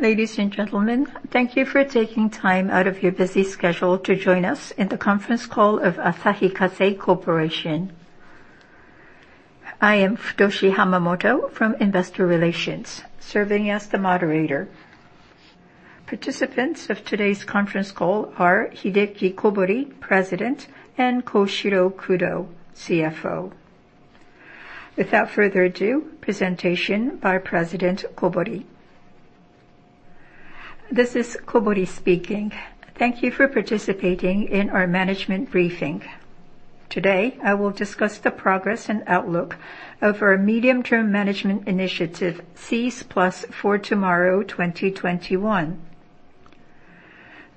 Ladies and gentlemen, thank you for taking time out of your busy schedule to join us in the conference call of Asahi Kasei Corporation. I am Futoshi Hamamoto from Investor Relations, serving as the moderator. Participants of today's conference call are Hideki Kobori, President, and Koshiro Kudo, CFO. Without further ado, presentation by President Kobori. This is Kobori speaking. Thank you for participating in our management briefing. Today, I will discuss the progress and outlook of our medium-term management initiative, Cs+ for Tomorrow 2021.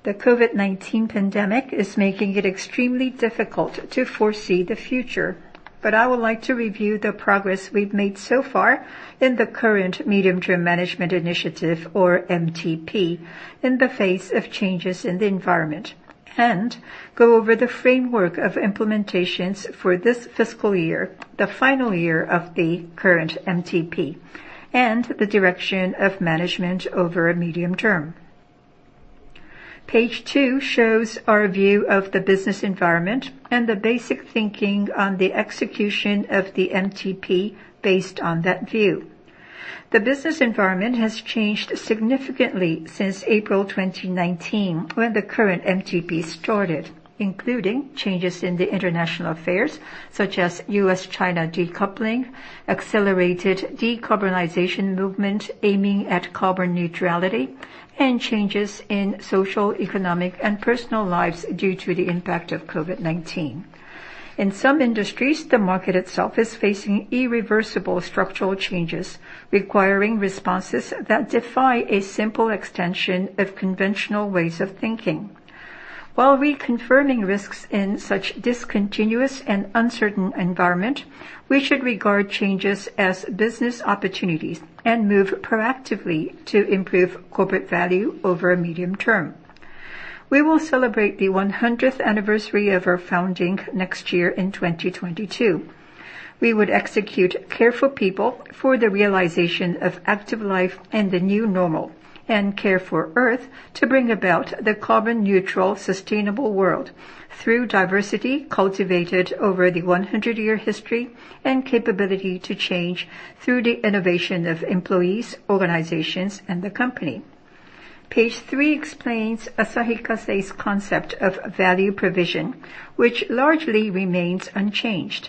The COVID-19 pandemic is making it extremely difficult to foresee the future, but I would like to review the progress we've made so far in the current medium-term management initiative, or MTP, in the face of changes in the environment and go over the framework of implementations for this fiscal year, the final year of the current MTP, and the direction of management over the medium term. Page two shows our view of the business environment and the basic thinking on the execution of the MTP based on that view. The business environment has changed significantly since April 2019, when the current MTP started, including changes in the international affairs such as U.S.-China decoupling, accelerated decarbonization movement aiming at carbon neutrality, and changes in social, economic, and personal lives due to the impact of COVID-19. In some industries, the market itself is facing irreversible structural changes, requiring responses that defy a simple extension of conventional ways of thinking. While reconfirming risks in such a discontinuous and uncertain environment, we should regard changes as business opportunities and move proactively to improve corporate value over the medium term. We will celebrate the 100th anniversary of our founding next year in 2022. We would execute Care for People for the realization of active life and the new normal, and Care for Earth to bring about the carbon-neutral, sustainable world through diversity cultivated over the 100-year history and capability to change through the innovation of employees, organizations, and the company. Page three explains Asahi Kasei's concept of value provision, which largely remains unchanged.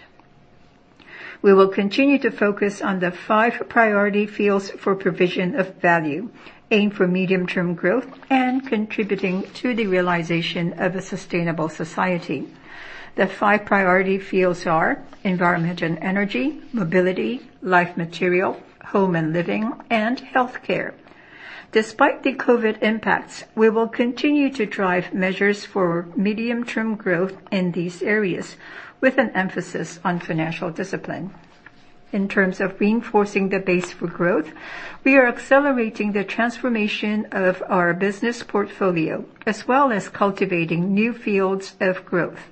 We will continue to focus on the five priority fields for provision of value, aim for medium-term growth, and contributing to the realization of a sustainable society. The five priority fields are Environment & Energy, Mobility, Life Material, Home & Living, and Healthcare. Despite the COVID impacts, we will continue to drive measures for medium-term growth in these areas, with an emphasis on financial discipline. In terms of reinforcing the base for growth, we are accelerating the transformation of our business portfolio as well as cultivating new fields of growth.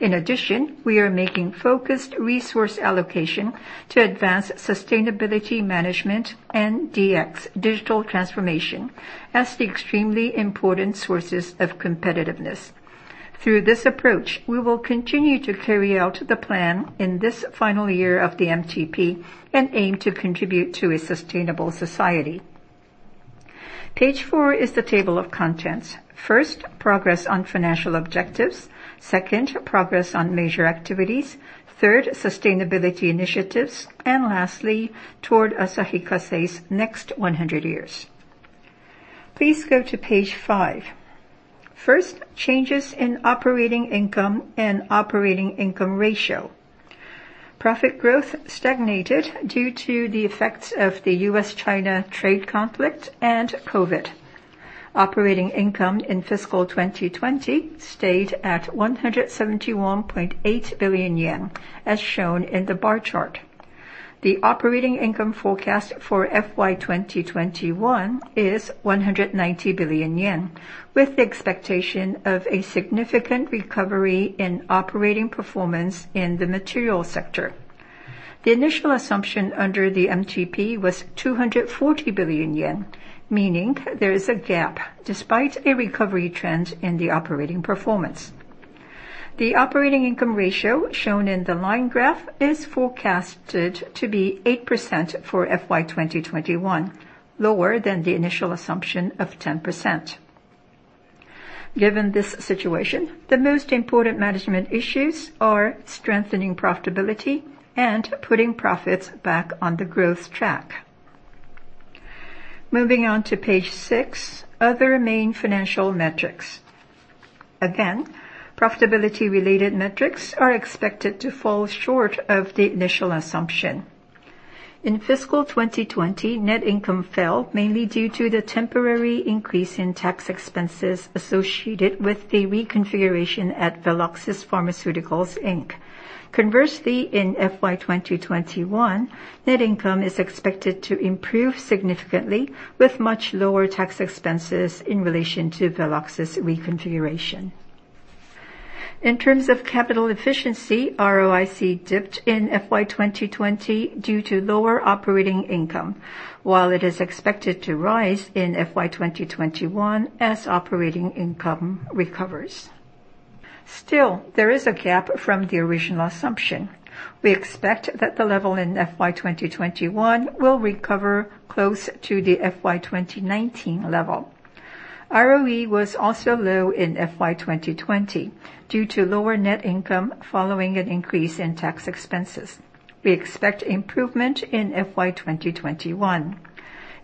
In addition, we are making focused resource allocation to advance sustainability management and DX, digital transformation, as the extremely important sources of competitiveness. Through this approach, we will continue to carry out the plan in this final year of the MTP and aim to contribute to a sustainable society. Page four is the table of contents. First, progress on financial objectives. Second, progress on major activities. Third, sustainability initiatives. Lastly, toward Asahi Kasei's next 100 years. Please go to page five. First, changes in operating income and operating income ratio. Profit growth stagnated due to the effects of the U.S.-China trade conflict and COVID. Operating income in fiscal 2020 stayed at 171.8 billion yen, as shown in the bar chart. The operating income forecast for FY 2021 is 190 billion yen, with the expectation of a significant recovery in operating performance in the materials sector. The initial assumption under the MTP was 240 billion yen, meaning there is a gap despite a recovery trend in the operating performance. The operating income ratio shown in the line graph is forecasted to be 8% for FY 2021, lower than the initial assumption of 10%. Given this situation, the most important management issues are strengthening profitability and putting profits back on the growth track. Moving on to page six, other main financial metrics. Again, profitability-related metrics are expected to fall short of the initial assumption. In FY 2020, net income fell mainly due to the temporary increase in tax expenses associated with the reconfiguration at Veloxis Pharmaceuticals, Inc. Conversely, in FY 2021, net income is expected to improve significantly with much lower tax expenses in relation to Veloxis reconfiguration. In terms of capital efficiency, ROIC dipped in FY 2020 due to lower operating income. While it is expected to rise in FY 2021 as operating income recovers. Still, there is a gap from the original assumption. We expect that the level in FY 2021 will recover close to the FY 2019 level. ROE was also low in FY 2020 due to lower net income following an increase in tax expenses. We expect improvement in FY 2021.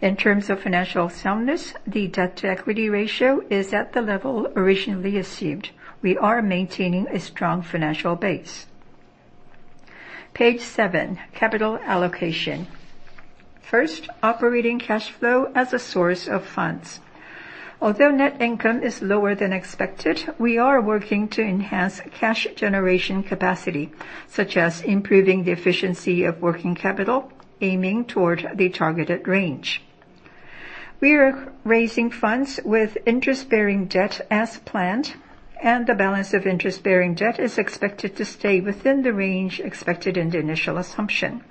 In terms of financial soundness, the debt-to-equity ratio is at the level originally assumed. We are maintaining a strong financial base. Page seven, capital allocation. First, operating cash flow as a source of funds. Although net income is lower than expected, we are working to enhance cash generation capacity, such as improving the efficiency of working capital, aiming toward the targeted range. We are raising funds with interest-bearing debt as planned, and the balance of interest-bearing debt is expected to stay within the range expected in the initial assumption.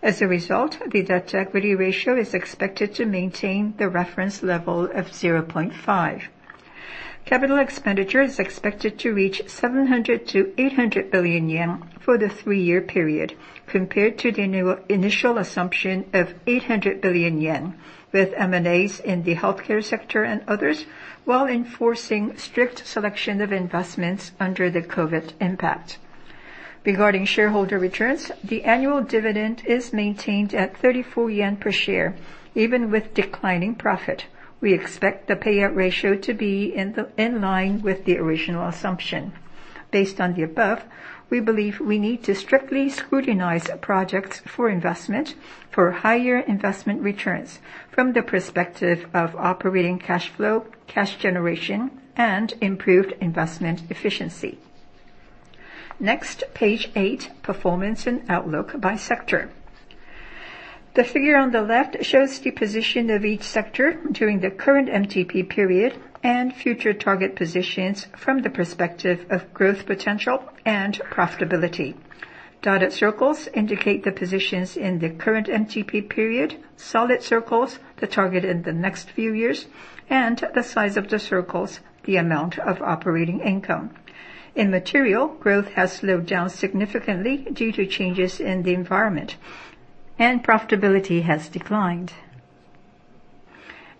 As a result, the debt-to-equity ratio is expected to maintain the reference level of 0.5. Capital expenditure is expected to reach 700 billion-800 billion yen for the three-year period, compared to the initial assumption of 800 billion yen, with M&As in the Healthcare sector and others, while enforcing strict selection of investments under the COVID impact. Regarding shareholder returns, the annual dividend is maintained at 34 yen per share, even with declining profit. We expect the payout ratio to be in line with the original assumption. Based on the above, we believe we need to strictly scrutinize projects for investment for higher investment returns from the perspective of operating cash flow, cash generation, and improved investment efficiency. Next, page eight, performance and outlook by sector. The figure on the left shows the position of each sector during the current MTP period and future target positions from the perspective of growth potential and profitability. Dotted circles indicate the positions in the current MTP period, solid circles the target in the next few years, and the size of the circles, the amount of operating income. In Materials, growth has slowed down significantly due to changes in the environment, and profitability has declined.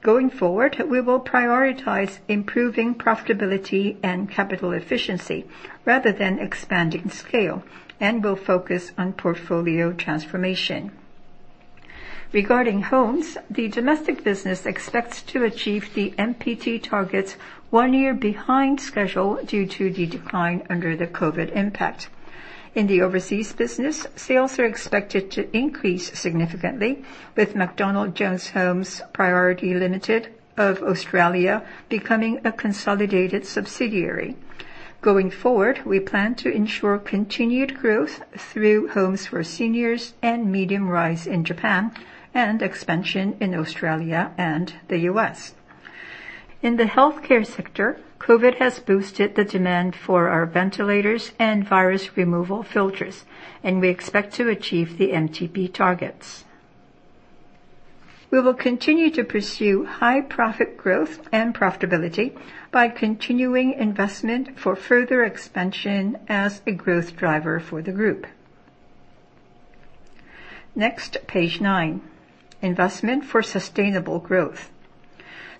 Going forward, we will prioritize improving profitability and capital efficiency rather than expanding scale and will focus on portfolio transformation. Regarding Homes, the domestic business expects to achieve the MTP targets one year behind schedule due to the decline under the COVID impact. In the overseas business, sales are expected to increase significantly with McDonald Jones Homes Pty Ltd of Australia becoming a consolidated subsidiary. Going forward, we plan to ensure continued growth through homes for seniors and medium rise in Japan and expansion in Australia and the U.S. In the Healthcare sector, COVID has boosted the demand for our ventilators and virus removal filters, and we expect to achieve the MTP targets. We will continue to pursue high profit growth and profitability by continuing investment for further expansion as a growth driver for the group. Next, page nine, investment for sustainable growth.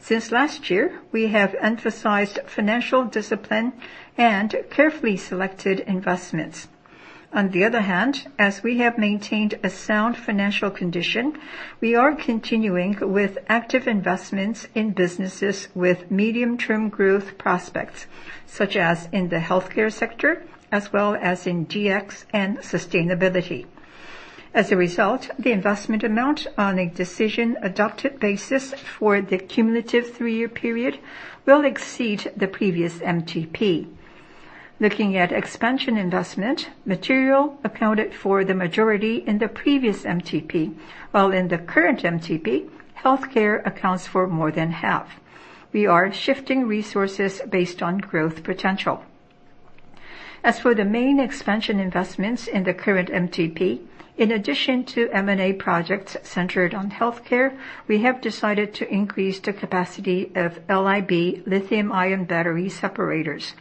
Since last year, we have emphasized financial discipline and carefully selected investments. On the other hand, as we have maintained a sound financial condition, we are continuing with active investments in businesses with medium-term growth prospects, such as in the Healthcare sector, as well as in DX and sustainability. As a result, the investment amount on a decision adopted basis for the cumulative three-year period will exceed the previous MTP. Looking at expansion investment, material accounted for the majority in the previous MTP, while in the current MTP, Healthcare accounts for more than half. We are shifting resources based on growth potential. As for the main expansion investments in the current MTP, in addition to M&A projects centered on Healthcare, we have decided to increase the capacity of LIB lithium-ion battery separators.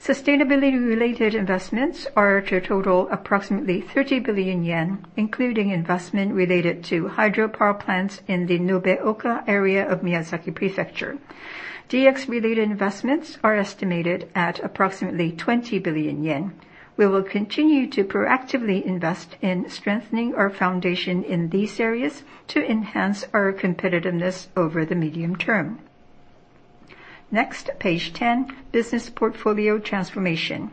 Sustainability-related investments are to total approximately 30 billion yen, including investment related to hydropower plants in the Nobeoka area of Miyazaki Prefecture. DX-related investments are estimated at approximately 20 billion yen. We will continue to proactively invest in strengthening our foundation in these areas to enhance our competitiveness over the medium term. Page 10, business portfolio transformation.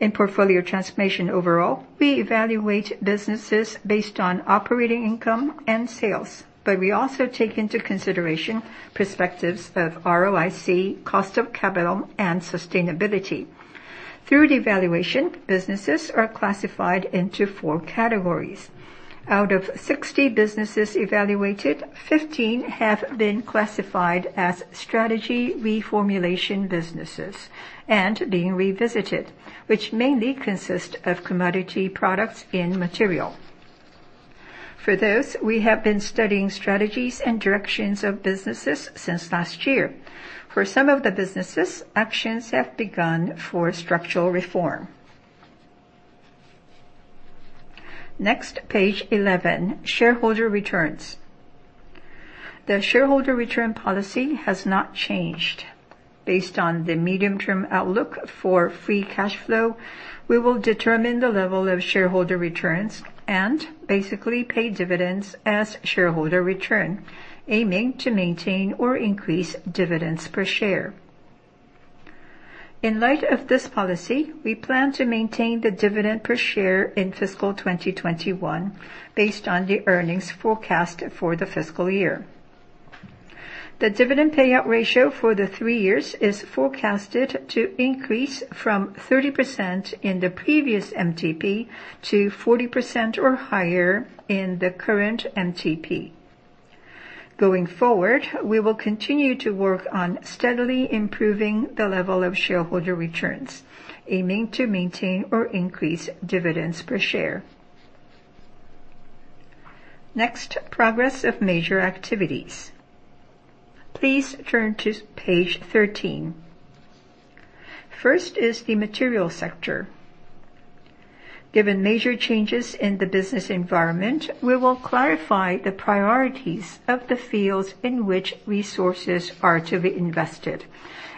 In portfolio transformation overall, we evaluate businesses based on operating income and sales, we also take into consideration perspectives of ROIC, cost of capital, and sustainability. Through the evaluation, businesses are classified into four categories. Out of 60 businesses evaluated, 15 have been classified as strategy reformulation businesses and being revisited, which mainly consist of commodity products in material. For this, we have been studying strategies and directions of businesses since last year. For some of the businesses, actions have begun for structural reform. Page 11, shareholder returns. The shareholder return policy has not changed. Based on the medium-term outlook for free cash flow, we will determine the level of shareholder returns and basically pay dividends as shareholder return, aiming to maintain or increase dividends per share. In light of this policy, we plan to maintain the dividend per share in fiscal 2021 based on the earnings forecast for the fiscal year. The dividend payout ratio for the three years is forecasted to increase from 30% in the previous MTP to 40% or higher in the current MTP. Going forward, we will continue to work on steadily improving the level of shareholder returns, aiming to maintain or increase dividends per share. Next, progress of major activities. Please turn to page 13. First is the Material sector. Given major changes in the business environment, we will clarify the priorities of the fields in which resources are to be invested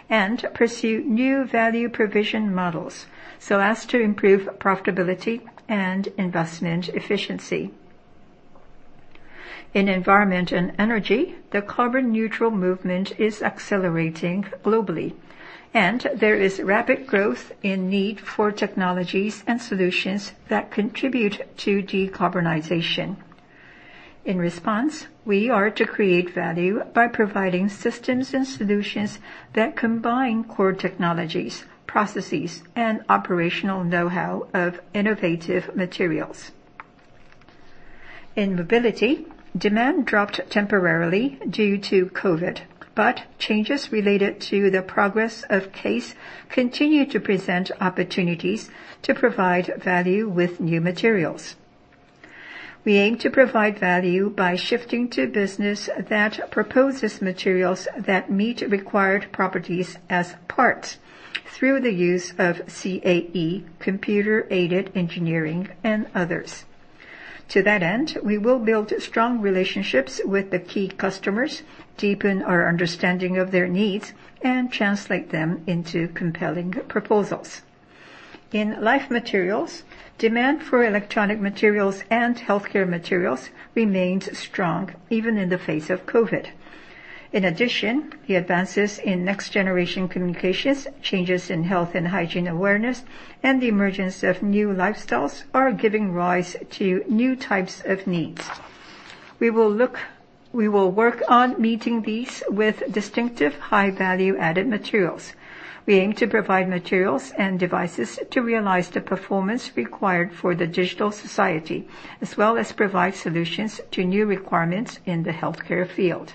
and pursue new value provision models so as to improve profitability and investment efficiency. In Environment & Energy, the carbon-neutral movement is accelerating globally, and there is rapid growth in need for technologies and solutions that contribute to decarbonization. In response, we are to create value by providing systems and solutions that combine core technologies, processes, and operational know-how of innovative materials. In Mobility, demand dropped temporarily due to COVID, but changes related to the progress of CASE continue to present opportunities to provide value with new materials. We aim to provide value by shifting to business that proposes materials that meet required properties as parts through the use of CAE, computer-aided engineering, and others. To that end, we will build strong relationships with the key customers, deepen our understanding of their needs, and translate them into compelling proposals. In Life Material, demand for electronic materials and healthcare materials remained strong even in the face of COVID-19. The advances in next-generation communications, changes in health and hygiene awareness, and the emergence of new lifestyles are giving rise to new types of needs. We will work on meeting these with distinctive high-value-added materials. We aim to provide materials and devices to realize the performance required for the digital society, as well as provide solutions to new requirements in the healthcare field.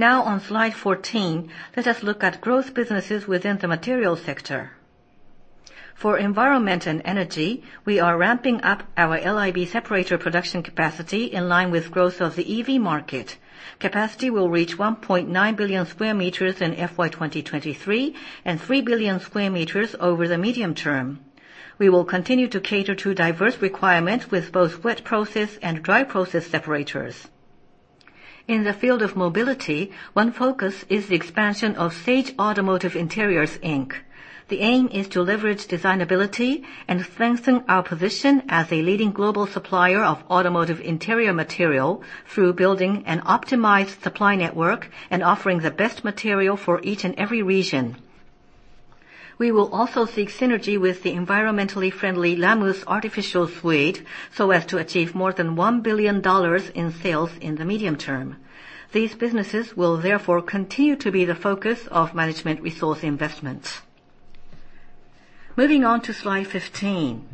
On slide 14, let us look at growth businesses within the Material sector. Environment & Energy, we are ramping up our LIB separator production capacity in line with growth of the EV market. Capacity will reach 1.9 billion sq m in FY 2023 and 3 billion sq m over the medium term. We will continue to cater to diverse requirements with both wet process and dry process separators. In the field of Mobility, one focus is the expansion of Sage Automotive Interiors Inc. The aim is to leverage designability and strengthen our position as a leading global supplier of automotive interior material through building an optimized supply network and offering the best material for each and every region. We will also seek synergy with the environmentally friendly Lamous artificial suede so as to achieve more than $1 billion in sales in the medium term. These businesses will therefore continue to be the focus of management resource investment. Moving on to slide 15.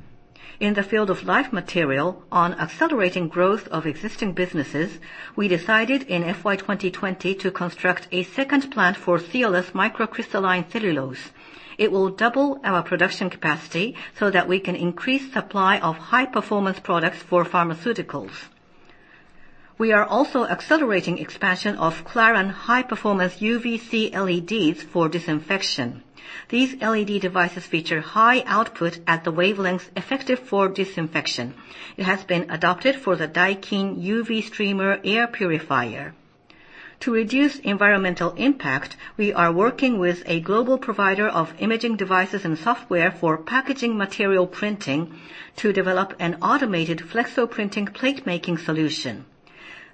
In the field of Life Material, on accelerating growth of existing businesses, we decided in FY 2020 to construct a second plant for Ceolus microcrystalline cellulose. It will double our production capacity so that we can increase supply of high-performance products for pharmaceuticals. We are also accelerating expansion of Klaran high-performance UVC LEDs for disinfection. These LED devices feature high output at the wavelengths effective for disinfection. It has been adopted for the Daikin UV Streamer Air Purifier. To reduce environmental impact, we are working with a global provider of imaging devices and software for packaging material printing to develop an automated flexo printing plate-making solution.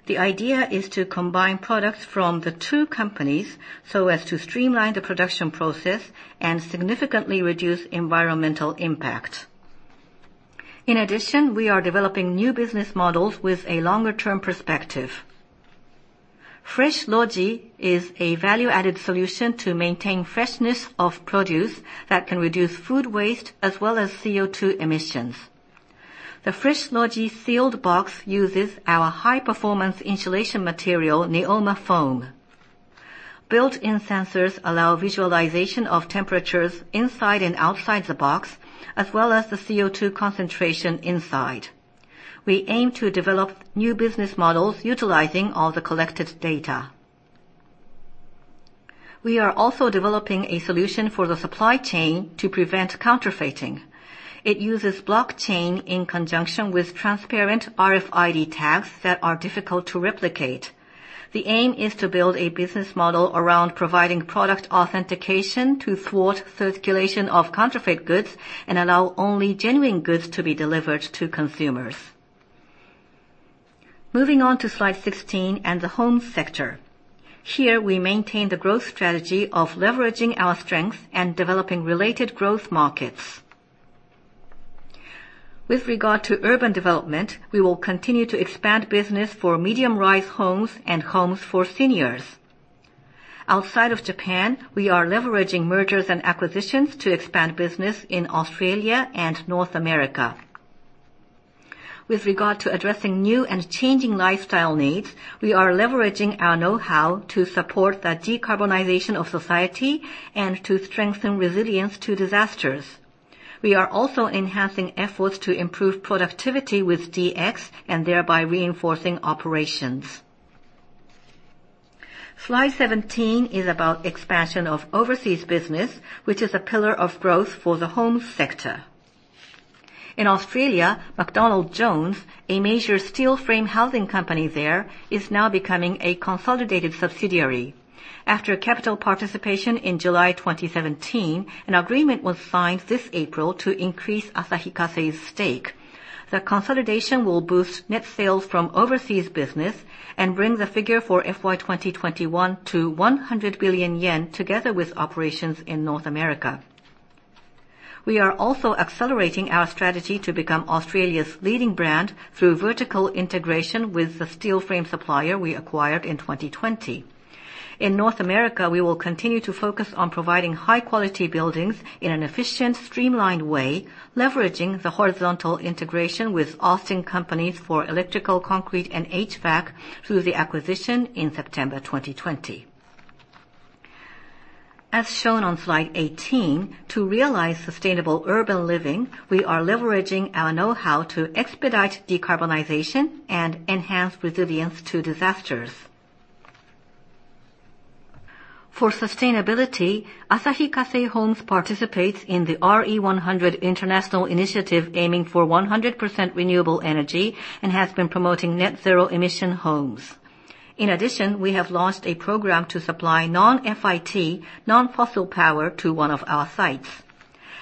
The idea is to combine products from the two companies so as to streamline the production process and significantly reduce environmental impact. In addition, we are developing new business models with a longer-term perspective. FreshLogi is a value-added solution to maintain freshness of produce that can reduce food waste as well as CO2 emissions. The FreshLogi sealed box uses our high-performance insulation material, Neoma Foam. Built-in sensors allow visualization of temperatures inside and outside the box, as well as the CO2 concentration inside. We aim to develop new business models utilizing all the collected data. We are also developing a solution for the supply chain to prevent counterfeiting. It uses blockchain in conjunction with transparent RFID tags that are difficult to replicate. The aim is to build a business model around providing product authentication to thwart circulation of counterfeit goods and allow only genuine goods to be delivered to consumers. Moving on to slide 16 and the Homes sector. Here, we maintain the growth strategy of leveraging our strengths and developing related growth markets. With regard to urban development, we will continue to expand business for medium-rise homes and homes for seniors. Outside of Japan, we are leveraging mergers and acquisitions to expand business in Australia and North America. With regard to addressing new and changing lifestyle needs, we are leveraging our know-how to support the decarbonization of society and to strengthen resilience to disasters. We are also enhancing efforts to improve productivity with DX, and thereby reinforcing operations. Slide 17 is about expansion of overseas business, which is a pillar of growth for the home sector. In Australia, McDonald Jones Homes, a major steel frame housing company there, is now becoming a consolidated subsidiary. After capital participation in July 2017, an agreement was signed this April to increase Asahi Kasei's stake. The consolidation will boost net sales from overseas business and bring the figure for FY 2021 to 100 billion yen, together with operations in North America. We are also accelerating our strategy to become Australia's leading brand through vertical integration with the steel frame supplier we acquired in 2020. In North America, we will continue to focus on providing high-quality buildings in an efficient, streamlined way, leveraging the horizontal integration with Austin Companies for electrical, concrete, and HVAC through the acquisition in September 2020. As shown on slide 18, to realize sustainable urban living, we are leveraging our know-how to expedite decarbonization and enhance resilience to disasters. For sustainability, Asahi Kasei Homes participates in the RE100 international initiative, aiming for 100% renewable energy, and has been promoting net zero emission homes. In addition, we have launched a program to supply non-FIT, non-fossil power to one of our sites.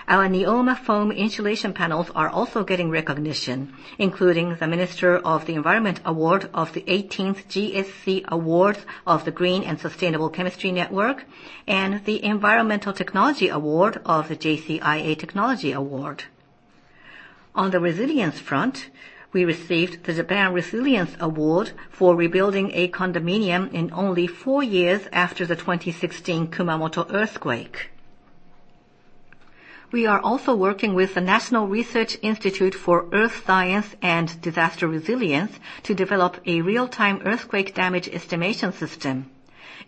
Our Neoma Foam insulation panels are also getting recognition, including the Minister of the Environment Award of the 18th GSC Awards of the Green and Sustainable Chemistry Network, and the Environmental Technology Award of the JCIA Technology Award. On the resilience front, we received the Japan Resilience Award for rebuilding a condominium in only four years after the 2016 Kumamoto earthquake. We are also working with the National Research Institute for Earth Science and Disaster Resilience to develop a real-time earthquake damage estimation system.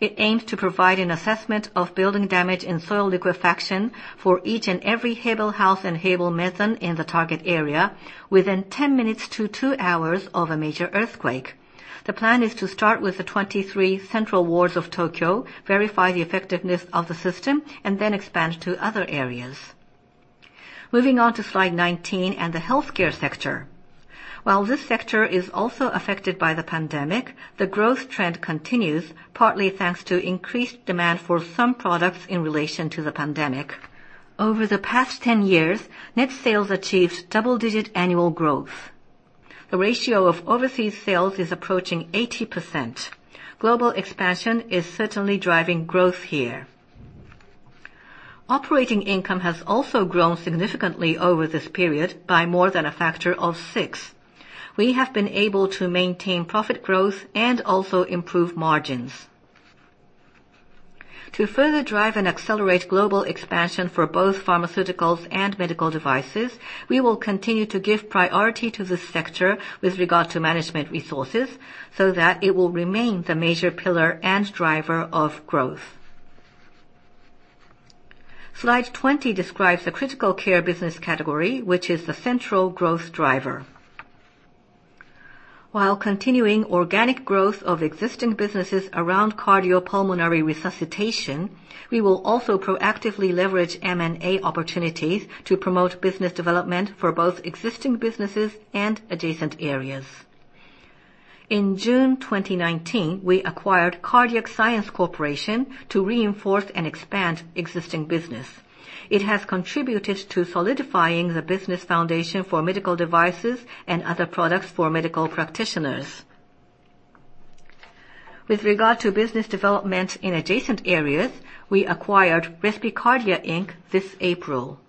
It aims to provide an assessment of building damage and soil liquefaction for each and every Hebel Haus and Hebel Maison in the target area within 10 minutes to two hours of a major earthquake. The plan is to start with the 23 central wards of Tokyo, verify the effectiveness of the system, and then expand to other areas. Moving on to slide 19 and the Healthcare sector. While this sector is also affected by the pandemic, the growth trend continues, partly thanks to increased demand for some products in relation to the pandemic. Over the past 10 years, net sales achieved double-digit annual growth. The ratio of overseas sales is approaching 80%. Global expansion is certainly driving growth here. Operating income has also grown significantly over this period by more than a factor of six. We have been able to maintain profit growth and also improve margins. To further drive and accelerate global expansion for both pharmaceuticals and medical devices, we will continue to give priority to this sector with regard to management resources so that it will remain the major pillar and driver of growth. Slide 20 describes the critical care business category, which is the central growth driver. While continuing organic growth of existing businesses around cardiopulmonary resuscitation, we will also proactively leverage M&A opportunities to promote business development for both existing businesses and adjacent areas. In June 2019, we acquired Cardiac Science Corporation to reinforce and expand existing business. It has contributed to solidifying the business foundation for medical devices and other products for medical practitioners. With regard to business development in adjacent areas, we acquired Respicardia, Inc. this April.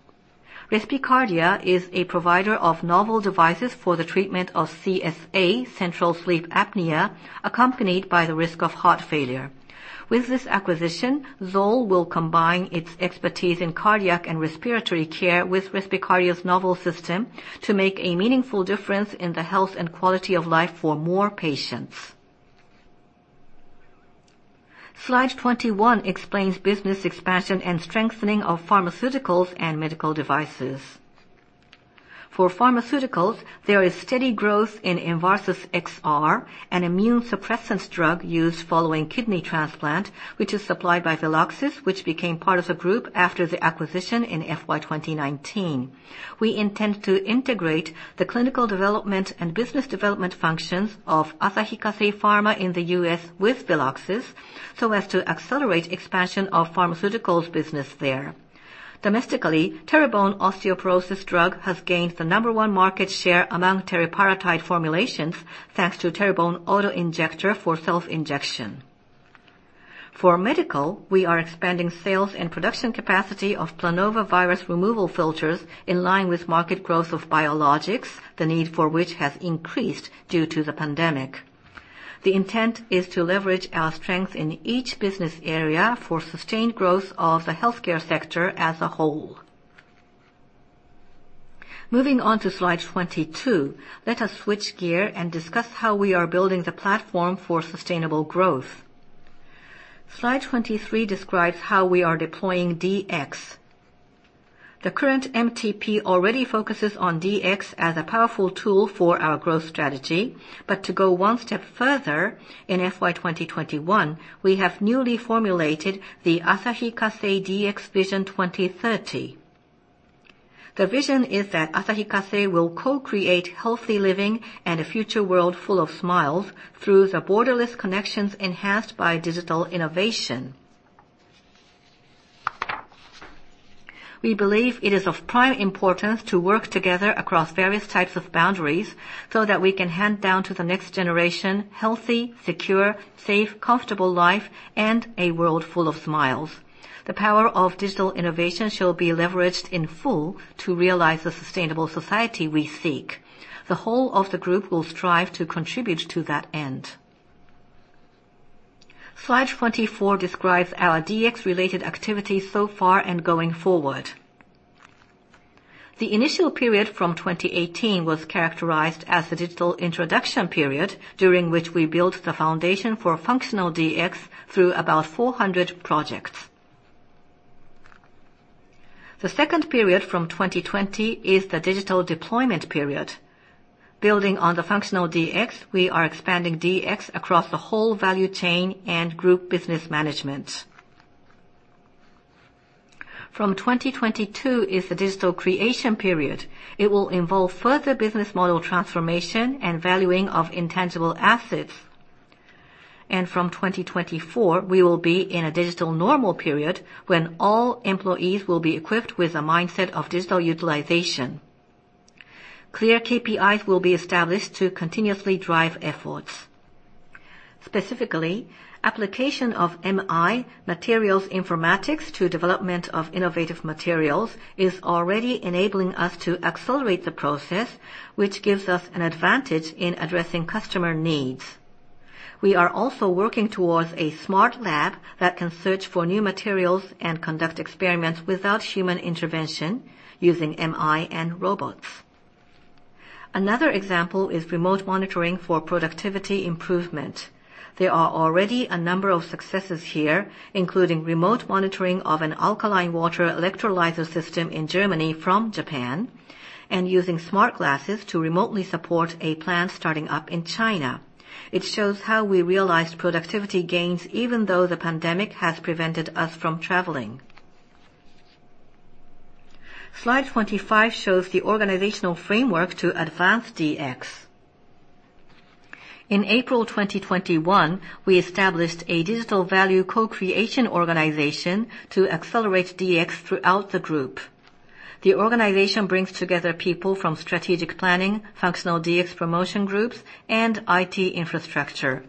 Respicardia is a provider of novel devices for the treatment of CSA, central sleep apnea, accompanied by the risk of heart failure. With this acquisition, ZOLL will combine its expertise in cardiac and respiratory care with Respicardia's novel system to make a meaningful difference in the health and quality of life for more patients. Slide 21 explains business expansion and strengthening of pharmaceuticals and medical devices. For pharmaceuticals, there is steady growth in Envarsus XR, an immunosuppressant drug used following kidney transplant, which is supplied by Veloxis, which became part of the group after the acquisition in FY 2019. We intend to integrate the clinical development and business development functions of Asahi Kasei Pharma in the U.S. with Veloxis, so as to accelerate expansion of pharmaceuticals business there. Domestically, Teribone osteoporosis drug has gained the number one market share among teriparatide formulations, thanks to Teribone auto-injector for self-injection. For medical, we are expanding sales and production capacity of Planova virus removal filters in line with market growth of biologics, the need for which has increased due to the pandemic. The intent is to leverage our strength in each business area for sustained growth of the Healthcare sector as a whole. Moving on to slide 22. Let us switch gear and discuss how we are building the platform for sustainable growth. Slide 23 describes how we are deploying DX. The current MTP already focuses on DX as a powerful tool for our growth strategy. To go one step further, in FY 2021, we have newly formulated the Asahi Kasei DX Vision 2030. The vision is that Asahi Kasei will co-create healthy living and a future world full of smiles through the borderless connections enhanced by digital innovation. We believe it is of prime importance to work together across various types of boundaries so that we can hand down to the next generation, healthy, secure, safe, comfortable life, and a world full of smiles. The power of digital innovation shall be leveraged in full to realize the sustainable society we seek. The whole of the group will strive to contribute to that end. Slide 24 describes our DX-related activities so far and going forward. The initial period from 2018 was characterized as the digital introduction period, during which we built the foundation for functional DX through about 400 projects. The second period from 2020 is the digital deployment period. Building on the functional DX, we are expanding DX across the whole value chain and group business management. 2022 is the digital creation period. It will involve further business model transformation and valuing of intangible assets. From 2024, we will be in a digital normal period when all employees will be equipped with a mindset of digital utilization. Clear KPIs will be established to continuously drive efforts. Specifically, application of MI, materials informatics, to development of innovative materials is already enabling us to accelerate the process, which gives us an advantage in addressing customer needs. We are also working towards a smart lab that can search for new materials and conduct experiments without human intervention using MI and robots. Another example is remote monitoring for productivity improvement. There are already a number of successes here, including remote monitoring of an alkaline water electrolyzer system in Germany from Japan, and using smart glasses to remotely support a plant starting up in China. It shows how we realized productivity gains, even though the pandemic has prevented us from traveling. Slide 25 shows the organizational framework to advance DX. In April 2021, we established a digital value co-creation organization to accelerate DX throughout the group. The organization brings together people from strategic planning, functional DX promotion groups, and IT infrastructure.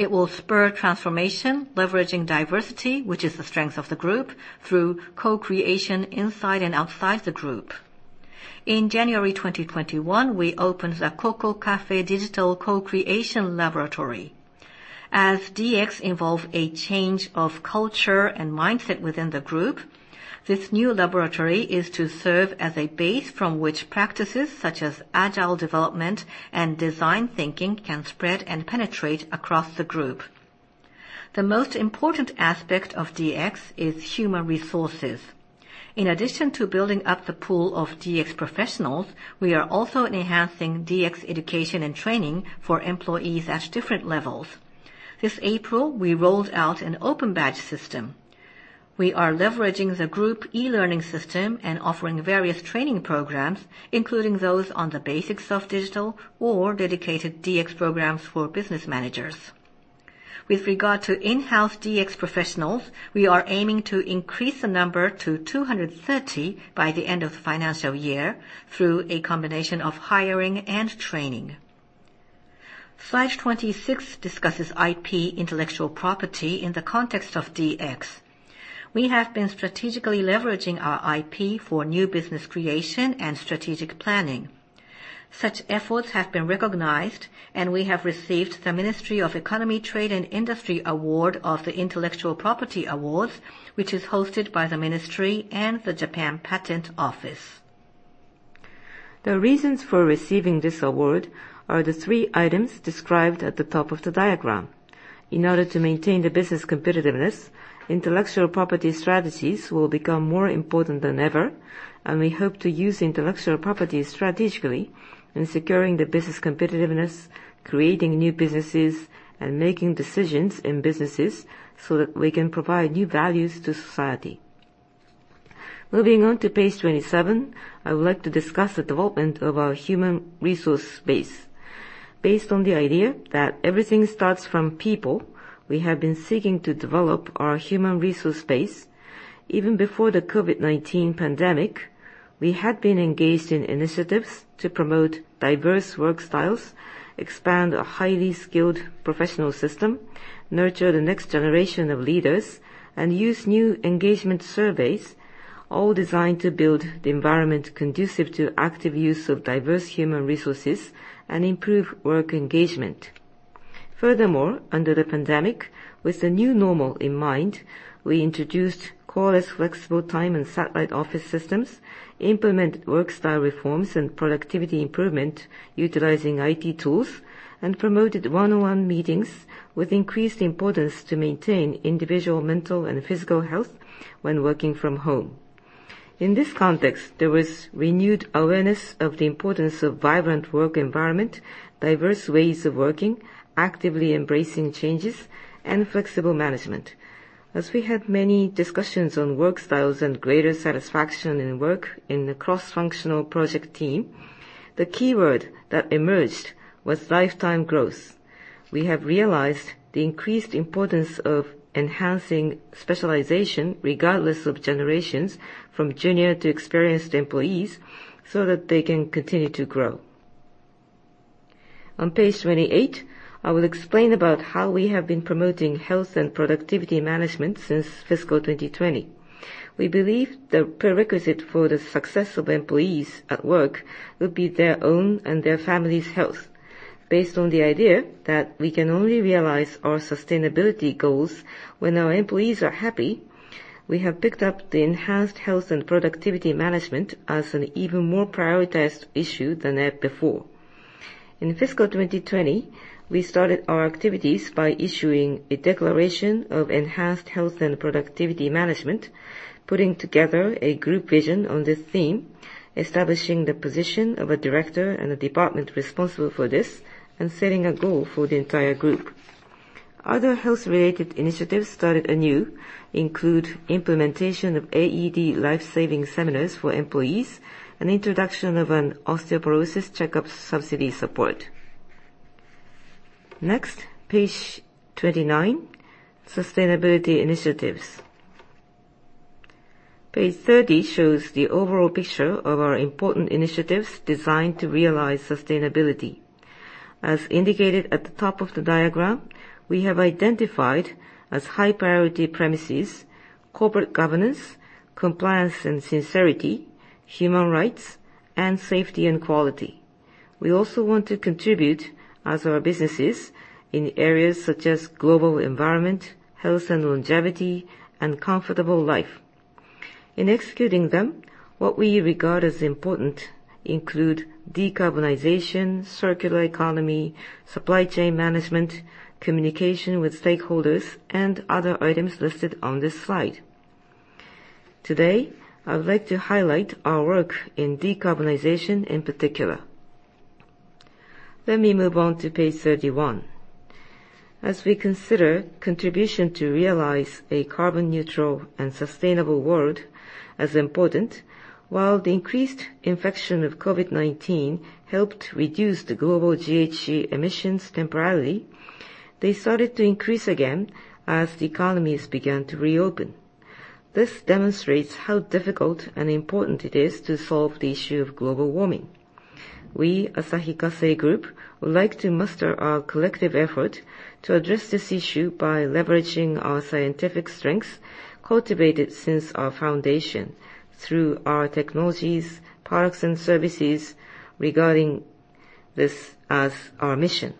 It will spur transformation, leveraging diversity, which is the strength of the group, through co-creation inside and outside the group. In January 2021, we opened the CoCo-CAFE Digital co-creation laboratory. As DX involve a change of culture and mindset within the group, this new laboratory is to serve as a base from which practices such as agile development and design thinking can spread and penetrate across the group. The most important aspect of DX is human resources. In addition to building up the pool of DX professionals, we are also enhancing DX education and training for employees at different levels. This April, we rolled out an open badge system. We are leveraging the group e-learning system and offering various training programs, including those on the basics of digital or dedicated DX programs for business managers. With regard to in-house DX professionals, we are aiming to increase the number to 230 by the end of the financial year through a combination of hiring and training. Slide 26 discusses IP, intellectual property, in the context of DX. We have been strategically leveraging our IP for new business creation and strategic planning. Such efforts have been recognized, and we have received the Ministry of Economy, Trade and Industry Award of the Intellectual Property Awards, which is hosted by the Ministry and the Japan Patent Office. The reasons for receiving this award are the three items described at the top of the diagram. In order to maintain the business competitiveness, intellectual property strategies will become more important than ever, and we hope to use intellectual property strategically in securing the business competitiveness, creating new businesses, and making decisions in businesses so that we can provide new values to society. Moving on to page 27, I would like to discuss the development of our human resource base. Based on the idea that everything starts from people, we have been seeking to develop our human resource base. Even before the COVID-19 pandemic, we had been engaged in initiatives to promote diverse work styles, expand a highly skilled professional system, nurture the next generation of leaders, and use new engagement surveys, all designed to build the environment conducive to active use of diverse human resources and improve work engagement. Furthermore, under the pandemic, with the new normal in mind, we introduced coreless flexible time and satellite office systems, implement work style reforms and productivity improvement utilizing IT tools, and promoted one-on-one meetings with increased importance to maintain individual mental and physical health when working from home. In this context, there was renewed awareness of the importance of vibrant work environment, diverse ways of working, actively embracing changes, and flexible management. As we had many discussions on work styles and greater satisfaction in work in the cross-functional project team, the keyword that emerged was lifetime growth. We have realized the increased importance of enhancing specialization regardless of generations, from junior to experienced employees, so that they can continue to grow. On page 28, I will explain about how we have been promoting health and productivity management since FY 2020. We believe the prerequisite for the success of employees at work would be their own and their family's health. Based on the idea that we can only realize our sustainability goals when our employees are happy, we have picked up the enhanced health and productivity management as an even more prioritized issue than before. In fiscal 2020, we started our activities by issuing a declaration of enhanced health and productivity management, putting together a group vision on this theme, establishing the position of a director and a department responsible for this, and setting a goal for the entire group. Other health-related initiatives started anew, include implementation of AED lifesaving seminars for employees and introduction of an osteoporosis checkup subsidy support. Next, page 29, sustainability initiatives. Page 30 shows the overall picture of our important initiatives designed to realize sustainability. As indicated at the top of the diagram, we have identified as high priority premises, corporate governance, compliance and sincerity, human rights, and safety and quality. We also want to contribute as our businesses in areas such as global environment, health and longevity, and comfortable life. In executing them, what we regard as important include decarbonization, circular economy, supply chain management, communication with stakeholders, and other items listed on this slide. Today, I would like to highlight our work in decarbonization in particular. Let me move on to page 31. As we consider contribution to realize a carbon-neutral and sustainable world as important, while the increased infection of COVID-19 helped reduce the global GHG emissions temporarily, they started to increase again as the economies began to reopen. This demonstrates how difficult and important it is to solve the issue of global warming. We, Asahi Kasei Group, would like to muster our collective effort to address this issue by leveraging our scientific strengths cultivated since our foundation through our technologies, products, and services, regarding this as our mission.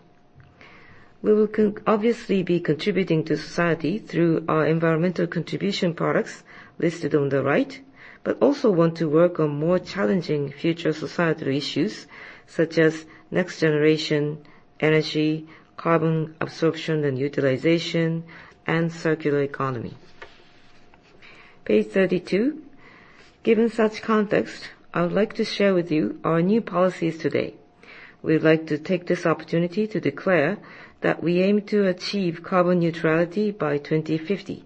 We will obviously be contributing to society through our environmental contribution products listed on the right but also want to work on more challenging future societal issues such as next-generation energy, carbon absorption and utilization, and circular economy. Page 32. Given such context, I would like to share with you our new policies today. We'd like to take this opportunity to declare that we aim to achieve carbon neutrality by 2050.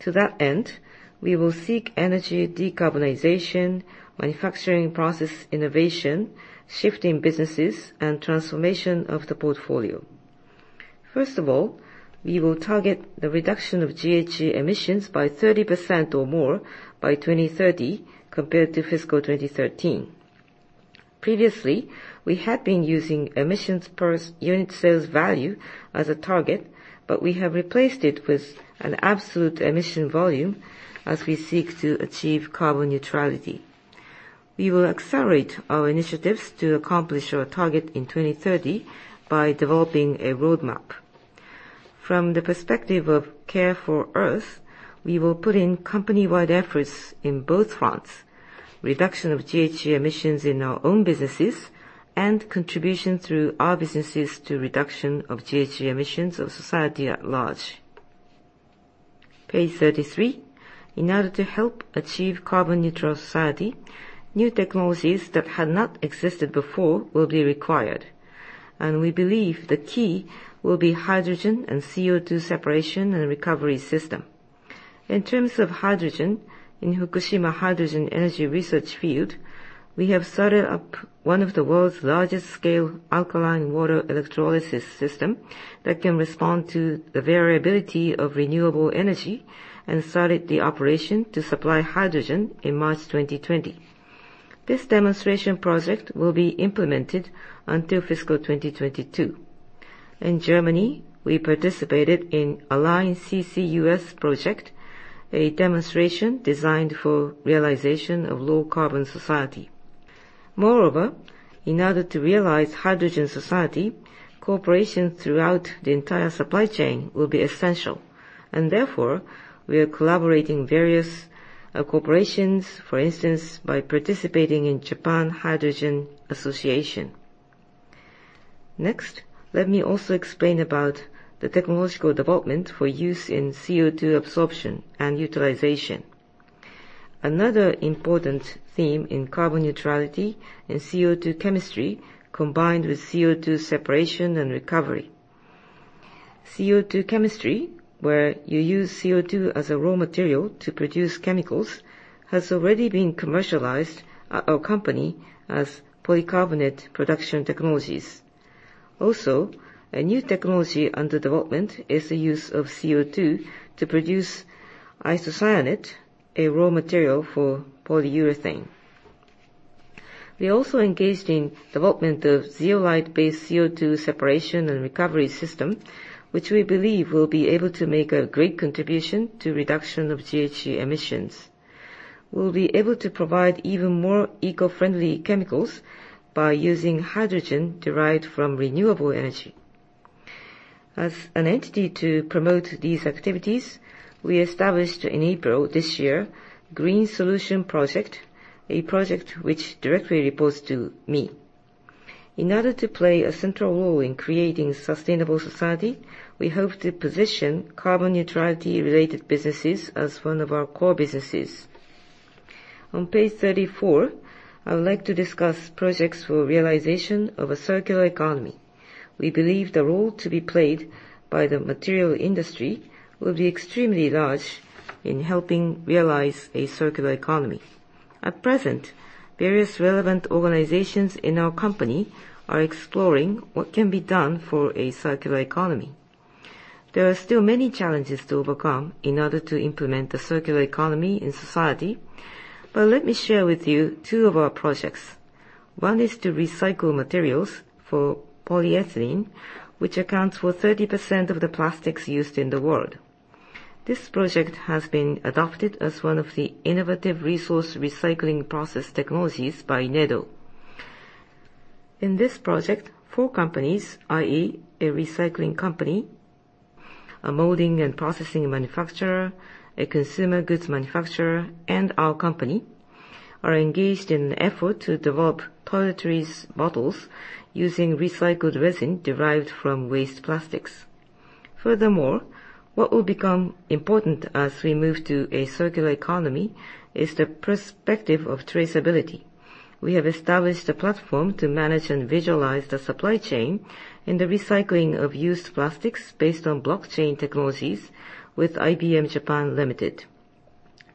To that end, we will seek energy decarbonization, manufacturing process innovation, shift in businesses, and transformation of the portfolio. First of all, we will target the reduction of GHG emissions by 30% or more by 2030 compared to fiscal 2013. Previously, we had been using emissions per unit sales value as a target, but we have replaced it with an absolute emission volume as we seek to achieve carbon neutrality. We will accelerate our initiatives to accomplish our target in 2030 by developing a roadmap. From the perspective of Care for Earth, we will put in company-wide efforts in both fronts, reduction of GHG emissions in our own businesses, and contribution through our businesses to reduction of GHG emissions of society at large. Page 33. In order to help achieve a carbon-neutral society, new technologies that had not existed before will be required, and we believe the key will be hydrogen and CO2 separation and recovery system. In terms of hydrogen, in Fukushima Hydrogen Energy Research Field, we have started up one of the world's largest scale alkaline water electrolysis systems that can respond to the variability of renewable energy and started the operation to supply hydrogen in March 2020. This demonstration project will be implemented until fiscal 2022. In Germany, we participated in ALIGN-CCUS project, a demonstration designed for realization of low carbon society. Moreover, in order to realize hydrogen society, cooperation throughout the entire supply chain will be essential, and therefore, we are collaborating various corporations, for instance, by participating in Japan Hydrogen Association. Next, let me also explain about the technological development for use in CO2 absorption and utilization. Another important theme in carbon neutrality is CO2 chemistry combined with CO2 separation and recovery. CO2 chemistry, where you use CO2 as a raw material to produce chemicals, has already been commercialized at our company as polycarbonate production technologies. A new technology under development is the use of CO2 to produce isocyanate, a raw material for polyurethane. We also engaged in development of zeolite-based CO2 separation and recovery system, which we believe will be able to make a great contribution to reduction of GHG emissions. We will be able to provide even more eco-friendly chemicals by using hydrogen derived from renewable energy. As an entity to promote these activities, we established in April this year, Green Solution Project, a project which directly reports to me. In order to play a central role in creating a sustainable society, we hope to position carbon neutrality related businesses as one of our core businesses. On page 34, I would like to discuss projects for realization of a circular economy. We believe the role to be played by the material industry will be extremely large in helping realize a circular economy. At present, various relevant organizations in our company are exploring what can be done for a circular economy. There are still many challenges to overcome in order to implement a circular economy in society, but let me share with you two of our projects. One is to recycle materials for polyethylene, which accounts for 30% of the plastics used in the world. This project has been adopted as one of the innovative resource recycling process technologies by NEDO. In this project, four companies, i.e., a recycling company, a molding and processing manufacturer, a consumer goods manufacturer, and our company, are engaged in an effort to develop toiletries bottles using recycled resin derived from waste plastics. Furthermore, what will become important as we move to a circular economy is the perspective of traceability. We have established a platform to manage and visualize the supply chain and the recycling of used plastics based on blockchain technologies with IBM Japan, Ltd.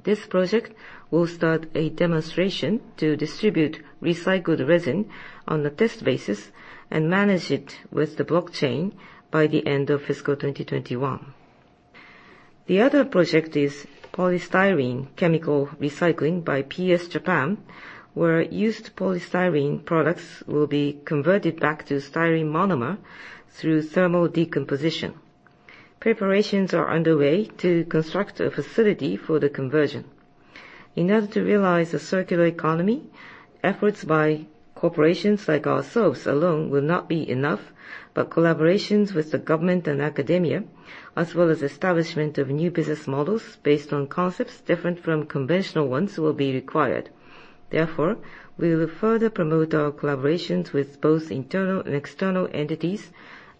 This project will start a demonstration to distribute recycled resin on a test basis and manage it with the blockchain by the end of fiscal 2021. The other project is polystyrene chemical recycling by PS Japan, where used polystyrene products will be converted back to styrene monomer through thermal decomposition. Preparations are underway to construct a facility for the conversion. In order to realize a circular economy, efforts by corporations like ourselves alone will not be enough, but collaborations with the government and academia, as well as establishment of new business models based on concepts different from conventional ones will be required. We will further promote our collaborations with both internal and external entities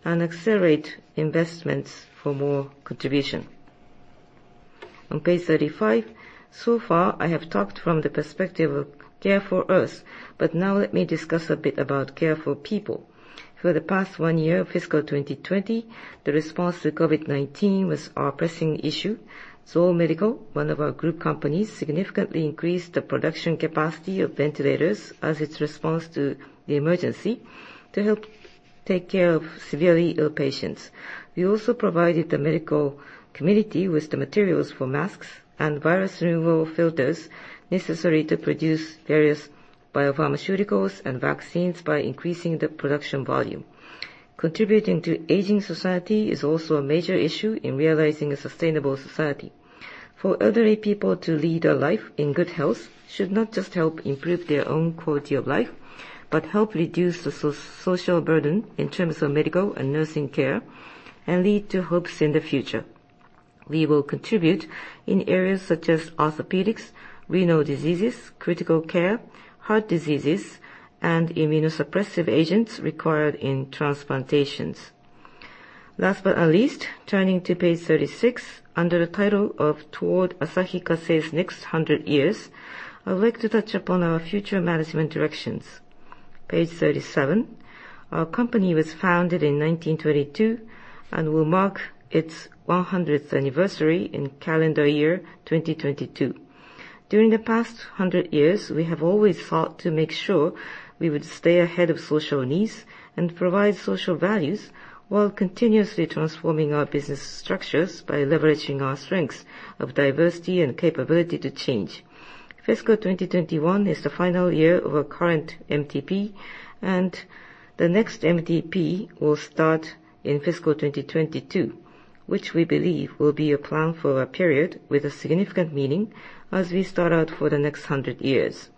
and accelerate investments for more contribution. On page 35, so far, I have talked from the perspective of Care for Earth but now let me discuss a bit about Care for people. For the past one year, fiscal 2020, the response to COVID-19 was our pressing issue. ZOLL Medical, one of our group companies, significantly increased the production capacity of ventilators as its response to the emergency to help take care of severely ill patients. We also provided the medical community with the materials for masks and virus removal filters necessary to produce various biopharmaceuticals and vaccines by increasing the production volume. Contributing to aging society is also a major issue in realizing a sustainable society. For elderly people to lead a life in good health should not just help improve their own quality of life, but help reduce the social burden in terms of medical and nursing care, and lead to hopes in the future. We will contribute in areas such as orthopedics, renal diseases, critical care, heart diseases, and immunosuppressive agents required in transplantations. Last but not least, turning to page 36, under the title of "Toward Asahi Kasei's next 100 years," I would like to touch upon our future management directions. Page 37. Our company was founded in 1922 and will mark its 100th anniversary in calendar year 2022. During the past 100 years, we have always fought to make sure we would stay ahead of social needs and provide social values while continuously transforming our business structures by leveraging our strengths of diversity and capability to change. Fiscal 2021 is the final year of our current MTP, and the next MTP will start in fiscal 2022, which we believe will be a plan for a period with a significant meaning as we start out for the next 100 years.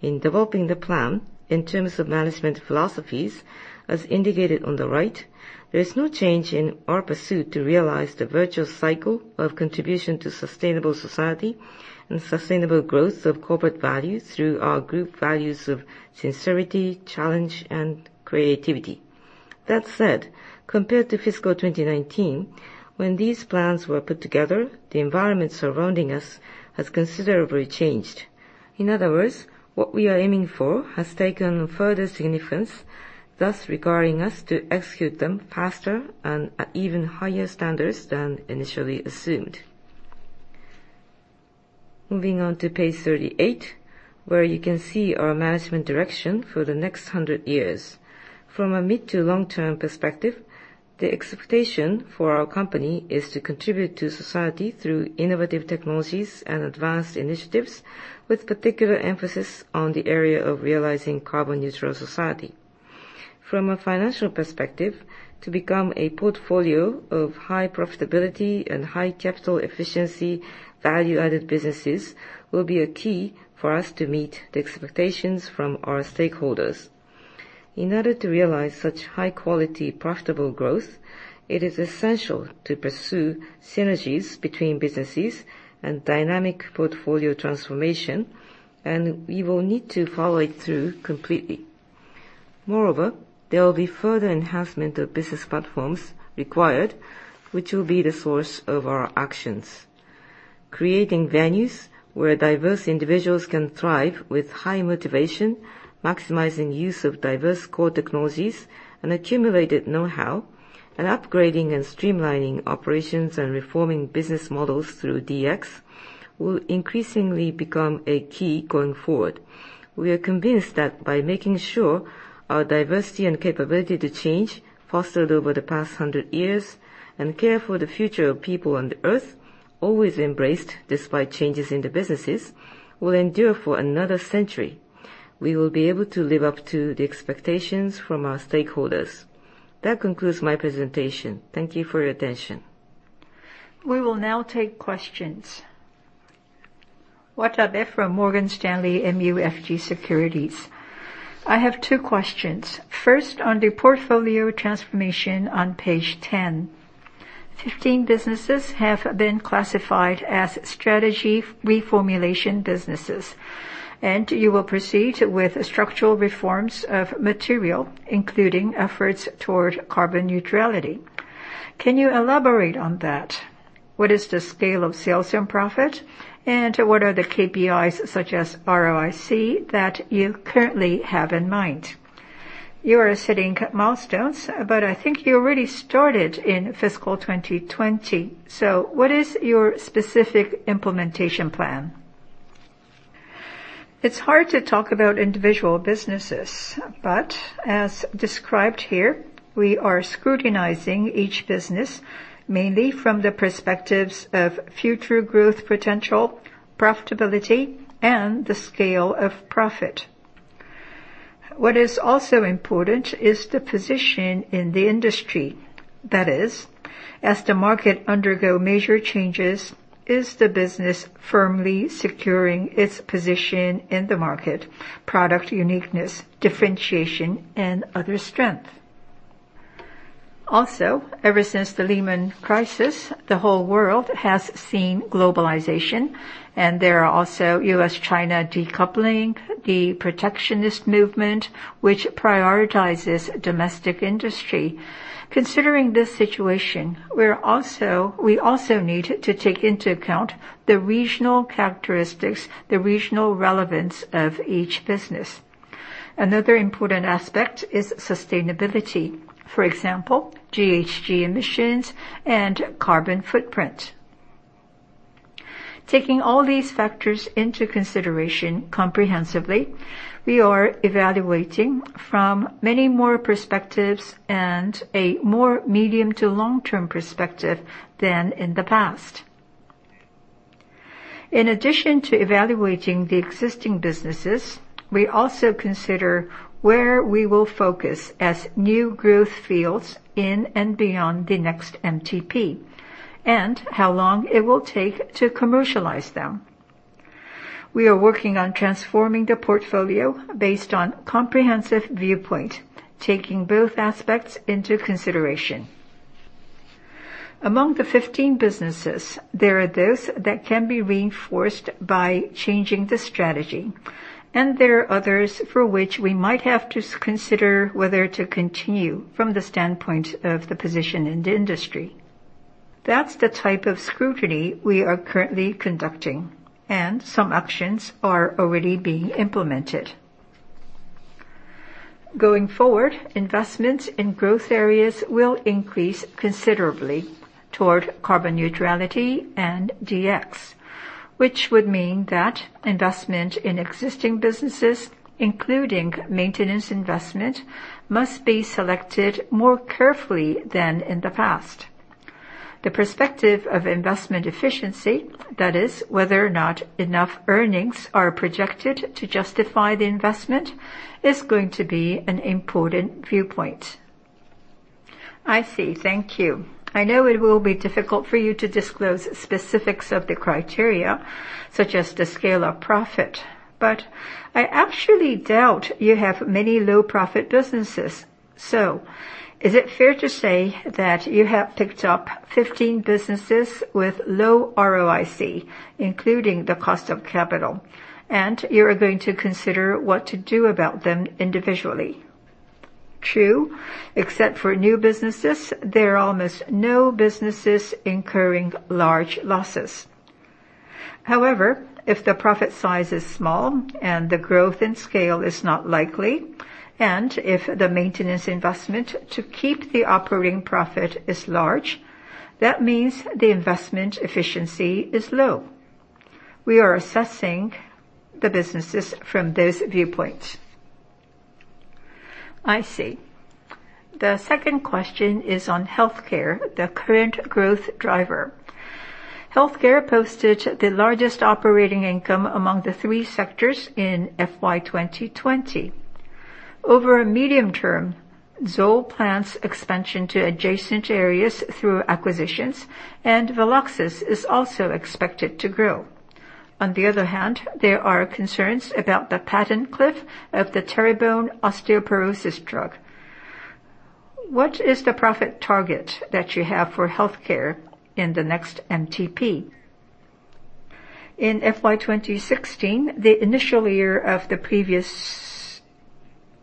In developing the plan, in terms of management philosophies, as indicated on the right, there is no change in our pursuit to realize the virtual cycle of contribution to sustainable society and sustainable growth of corporate value through our group values of sincerity, challenge, and creativity. That said, compared to fiscal 2019, when these plans were put together, the environment surrounding us has considerably changed. In other words, what we are aiming for has taken further significance, thus requiring us to execute them faster and at even higher standards than initially assumed. Moving on to page 38, where you can see our management direction for the next 100 years. From a mid to long-term perspective, the expectation for our company is to contribute to society through innovative technologies and advanced initiatives, with particular emphasis on the area of realizing a carbon-neutral society. From a financial perspective, to become a portfolio of high profitability and high capital efficiency, value-added businesses will be a key for us to meet the expectations from our stakeholders. In order to realize such high-quality, profitable growth, it is essential to pursue synergies between businesses and dynamic portfolio transformation, and we will need to follow it through completely. Moreover, there will be further enhancement of business platforms required, which will be the source of our actions. Creating venues where diverse individuals can thrive with high motivation, maximizing use of diverse core technologies and accumulated know-how, and upgrading and streamlining operations and reforming business models through DX will increasingly become a key going forward. We are convinced that by making sure our diversity and capability to change, fostered over the past 100 years, and care for the future of people on the Earth, always embraced despite changes in the businesses, will endure for another century. We will be able to live up to the expectations from our stakeholders. That concludes my presentation. Thank you for your attention. We will now take questions. Watabe from Morgan Stanley MUFG Securities. I have two questions. First, on the portfolio transformation on page 10. 15 businesses have been classified as strategy reformulation businesses, and you will proceed with structural reforms of material, including efforts toward carbon neutrality. Can you elaborate on that? What is the scale of sales and profit, and what are the KPIs, such as ROIC, that you currently have in mind? You are setting milestones, but I think you already started in fiscal 2020. What is your specific implementation plan? It's hard to talk about individual businesses, but as described here, we are scrutinizing each business, mainly from the perspectives of future growth potential, profitability, and the scale of profit. What is also important is the position in the industry. That is, as the market undergoes major changes, is the business firmly securing its position in the market, product uniqueness, differentiation, and other strengths? Ever since the Lehman crisis, the whole world has seen globalization, and there are also U.S.-China decoupling, the protectionist movement, which prioritizes domestic industry. Considering this situation, we also need to take into account the regional characteristics, the regional relevance of each business. Another important aspect is sustainability. For example, GHG emissions and carbon footprint. Taking all these factors into consideration comprehensively, we are evaluating from many more perspectives and a more medium to long-term perspective than in the past. In addition to evaluating the existing businesses, we also consider where we will focus as new growth fields in and beyond the next MTP, and how long it will take to commercialize them. We are working on transforming the portfolio based on comprehensive viewpoint, taking both aspects into consideration. Among the 15 businesses, there are those that can be reinforced by changing the strategy, and there are others for which we might have to consider whether to continue from the standpoint of the position in the industry. That's the type of scrutiny we are currently conducting, and some actions are already being implemented. Going forward, investments in growth areas will increase considerably toward carbon neutrality and DX, which would mean that investment in existing businesses, including maintenance investment, must be selected more carefully than in the past. The perspective of investment efficiency, that is, whether or not enough earnings are projected to justify the investment, is going to be an important viewpoint. I see. Thank you. I know it will be difficult for you to disclose specifics of the criteria, such as the scale of profit, but I actually doubt you have many low-profit businesses. Is it fair to say that you have picked up 15 businesses with low ROIC, including the cost of capital, and you're going to consider what to do about them individually? True. Except for new businesses, there are almost no businesses incurring large losses. However, if the profit size is small and the growth in scale is not likely, and if the maintenance investment to keep the operating profit is large, that means the investment efficiency is low. We are assessing the businesses from those viewpoints. I see. The second question is on Healthcare, the current growth driver. Healthcare posted the largest operating income among the three sectors in FY 2020. Over a medium term, ZOLL plans expansion to adjacent areas through acquisitions, and Veloxis is also expected to grow. On the other hand, there are concerns about the patent cliff of the teriparatide osteoporosis drug. What is the profit target that you have for Healthcare in the next MTP? In FY 2016, the initial year of the previous MTP,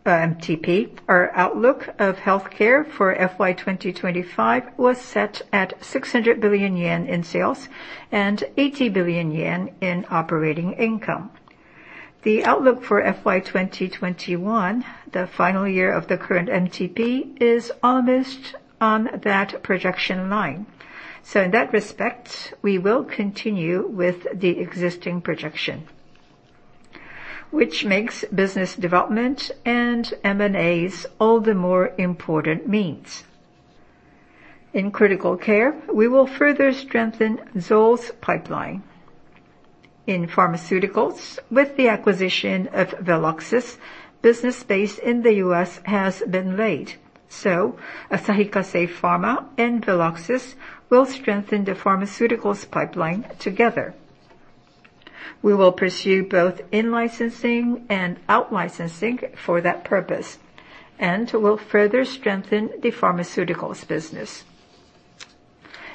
our outlook of Healthcare for FY 2025 was set at 600 billion yen in sales and 80 billion yen in operating income. The outlook for FY 2021, the final year of the current MTP, is almost on that projection line. In that respect, we will continue with the existing projection, which makes business development and M&As all the more important means. In critical care, we will further strengthen ZOLL's pipeline. In pharmaceuticals, with the acquisition of Veloxis, business base in the U.S. has been laid. Asahi Kasei Pharma and Veloxis will strengthen the pharmaceuticals pipeline together. We will pursue both in-licensing and out-licensing for that purpose, and we'll further strengthen the pharmaceuticals business.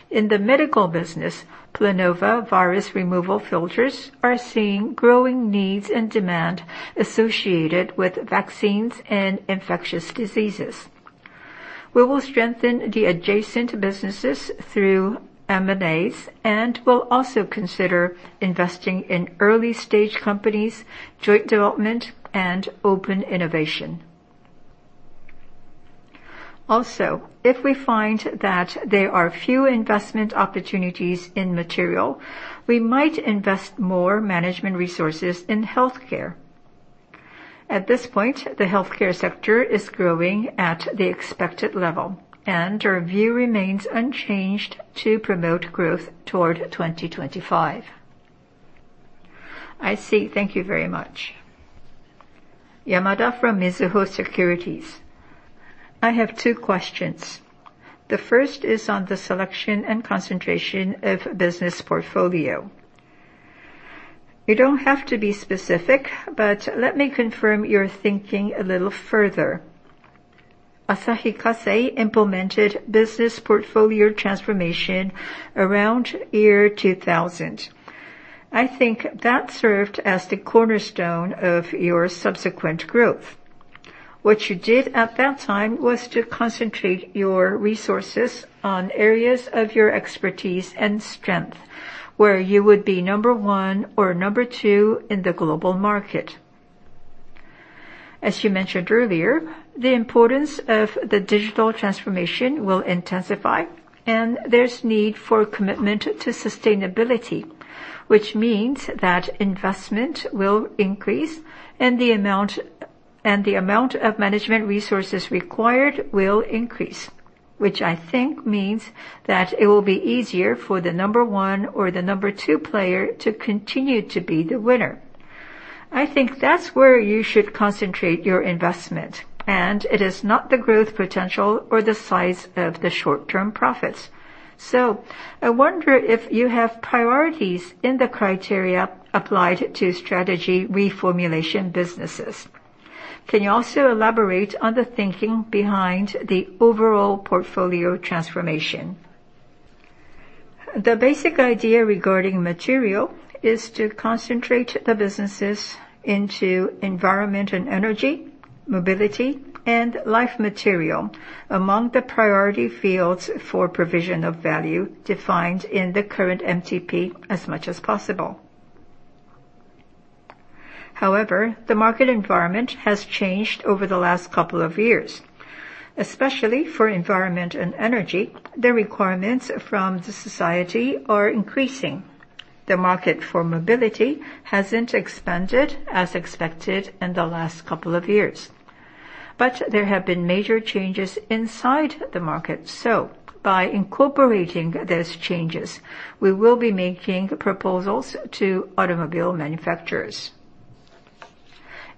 In the medical business, Planova virus removal filters are seeing growing needs and demand associated with vaccines and infectious diseases. We will strengthen the adjacent businesses through M&As and will also consider investing in early-stage companies, joint development, and open innovation. If we find that there are few investment opportunities in Material, we might invest more management resources in Healthcare. At this point, the Healthcare sector is growing at the expected level, and our view remains unchanged to promote growth toward 2025. I see. Thank you very much. Yamada from Mizuho Securities. I have two questions. The first is on the selection and concentration of the business portfolio. You don't have to be specific, but let me confirm your thinking a little further. Asahi Kasei implemented business portfolio transformation around year 2000. I think that served as the cornerstone of your subsequent growth. What you did at that time was to concentrate your resources on areas of your expertise and strength, where you would be number one or number two in the global market. As you mentioned earlier, the importance of the digital transformation will intensify, and there's need for commitment to sustainability, which means that investment will increase, and the amount of management resources required will increase. Which I think means that it will be easier for the number one or the number two player to continue to be the winner. I think that's where you should concentrate your investment, and it is not the growth potential or the size of the short-term profits. I wonder if you have priorities in the criteria applied to strategy reformulation businesses. Can you also elaborate on the thinking behind the overall portfolio transformation? The basic idea regarding Material is to concentrate the businesses into Environment & Energy, Mobility, and Life Material, among the priority fields for provision of value defined in the current MTP as much as possible. However, the market environment has changed over the last couple of years, especially for Environment & Energy. The requirements from the society are increasing. The market for Mobility hasn't expanded as expected in the last couple of years. There have been major changes inside the market. By incorporating those changes, we will be making proposals to automobile manufacturers.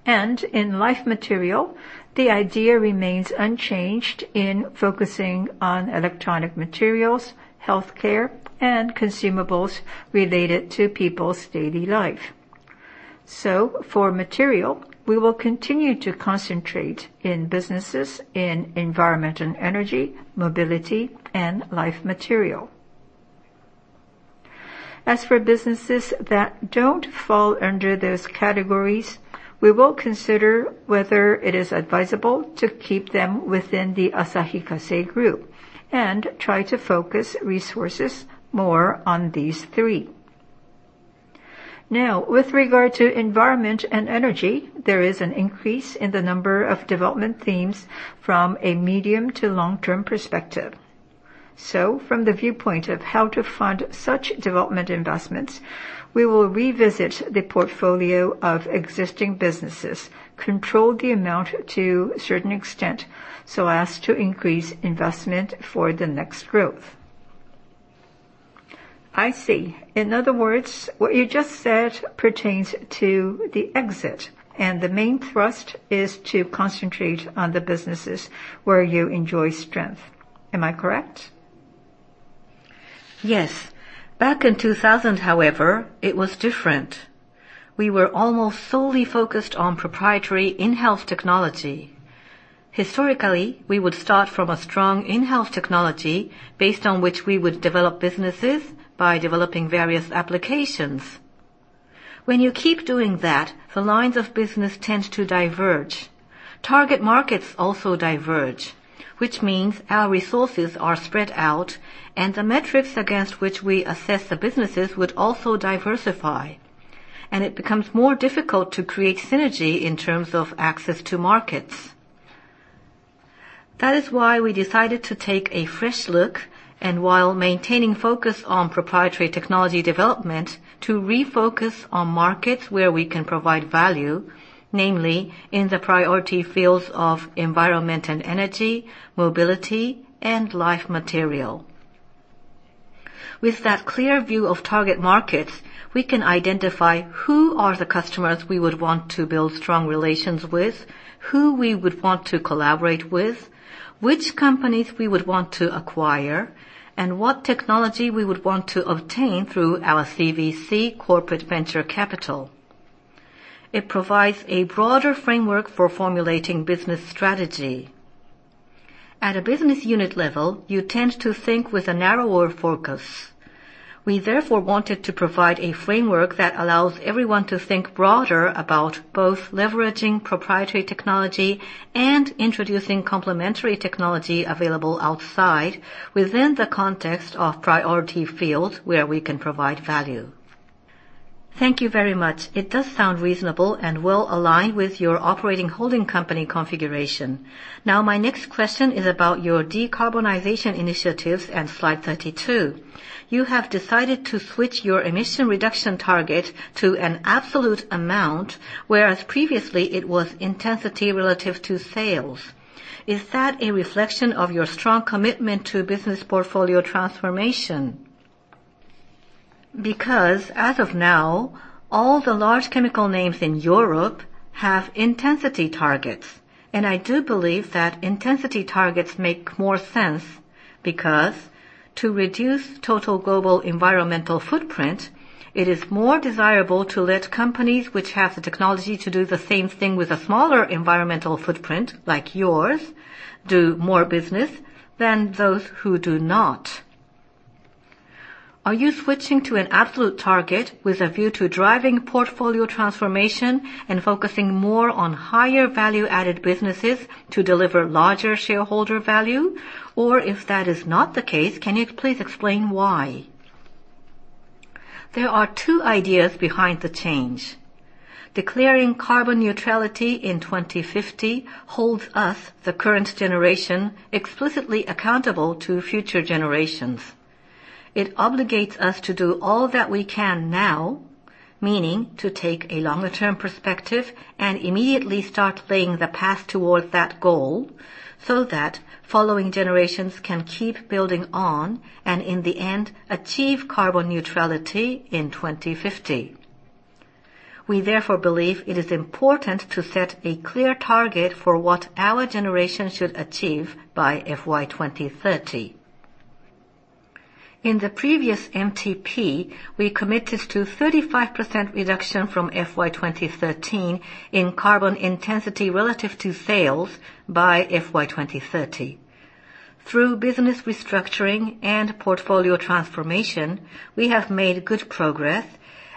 In Life Material, the idea remains unchanged in focusing on electronic materials, Healthcare, and consumables related to people's daily life. For Materials, we will continue to concentrate in businesses in Environment & Energy, Mobility, and Life Material. As for businesses that don't fall under those categories, we will consider whether it is advisable to keep them within the Asahi Kasei Group and try to focus resources more on these three. Now, with regard to Environment & Energy, there is an increase in the number of development themes from a medium to long-term perspective. From the viewpoint of how to fund such development investments, we will revisit the portfolio of existing businesses, control the amount to a certain extent, so as to increase investment for the next growth. I see. In other words, what you just said pertains to the exit, and the main thrust is to concentrate on the businesses where you enjoy strength. Am I correct? Yes. Back in 2000, however, it was different. We were almost solely focused on proprietary in-house technology. Historically, we would start from a strong in-house technology, based on which we would develop businesses by developing various applications. When you keep doing that, the lines of business tend to diverge. Target markets also diverge, which means our resources are spread out, and the metrics against which we assess the businesses would also diversify, and it becomes more difficult to create synergy in terms of access to markets. That is why we decided to take a fresh look, and while maintaining focus on proprietary technology development, to refocus on markets where we can provide value, namely in the priority fields of Environment & Energy, Mobility, and Life Material. With that clear view of target markets, we can identify who are the customers we would want to build strong relations with, who we would want to collaborate with, which companies we would want to acquire, and what technology we would want to obtain through our CVC, corporate venture capital. It provides a broader framework for formulating business strategy. At a business unit level, you tend to think with a narrower focus. We therefore wanted to provide a framework that allows everyone to think broader about both leveraging proprietary technology and introducing complementary technology available outside within the context of priority fields where we can provide value. Thank you very much. It does sound reasonable and well-aligned with your operating holding company configuration. My next question is about your decarbonization initiatives and slide 32. You have decided to switch your emission reduction target to an absolute amount, whereas previously, it was intensity relative to sales. Is that a reflection of your strong commitment to business portfolio transformation? Because as of now, all the large chemical names in Europe have intensity targets. I do believe that intensity targets make more sense because to reduce total global environmental footprint, it is more desirable to let companies which have the technology to do the same thing with a smaller environmental footprint, like yours, do more business than those who do not. Are you switching to an absolute target with a view to driving portfolio transformation and focusing more on higher value-added businesses to deliver larger shareholder value? If that is not the case, can you please explain why? There are two ideas behind the change. Declaring carbon neutrality in 2050 holds us, the current generation, explicitly accountable to future generations. It obligates us to do all that we can now, meaning to take a longer-term perspective and immediately start laying the path towards that goal so that following generations can keep building on, and in the end, achieve carbon neutrality in 2050. We therefore believe it is important to set a clear target for what our generation should achieve by FY 2030. In the previous MTP, we committed to 35% reduction from FY 2013 in carbon intensity relative to sales by FY 2030. Through business restructuring and portfolio transformation, we have made good progress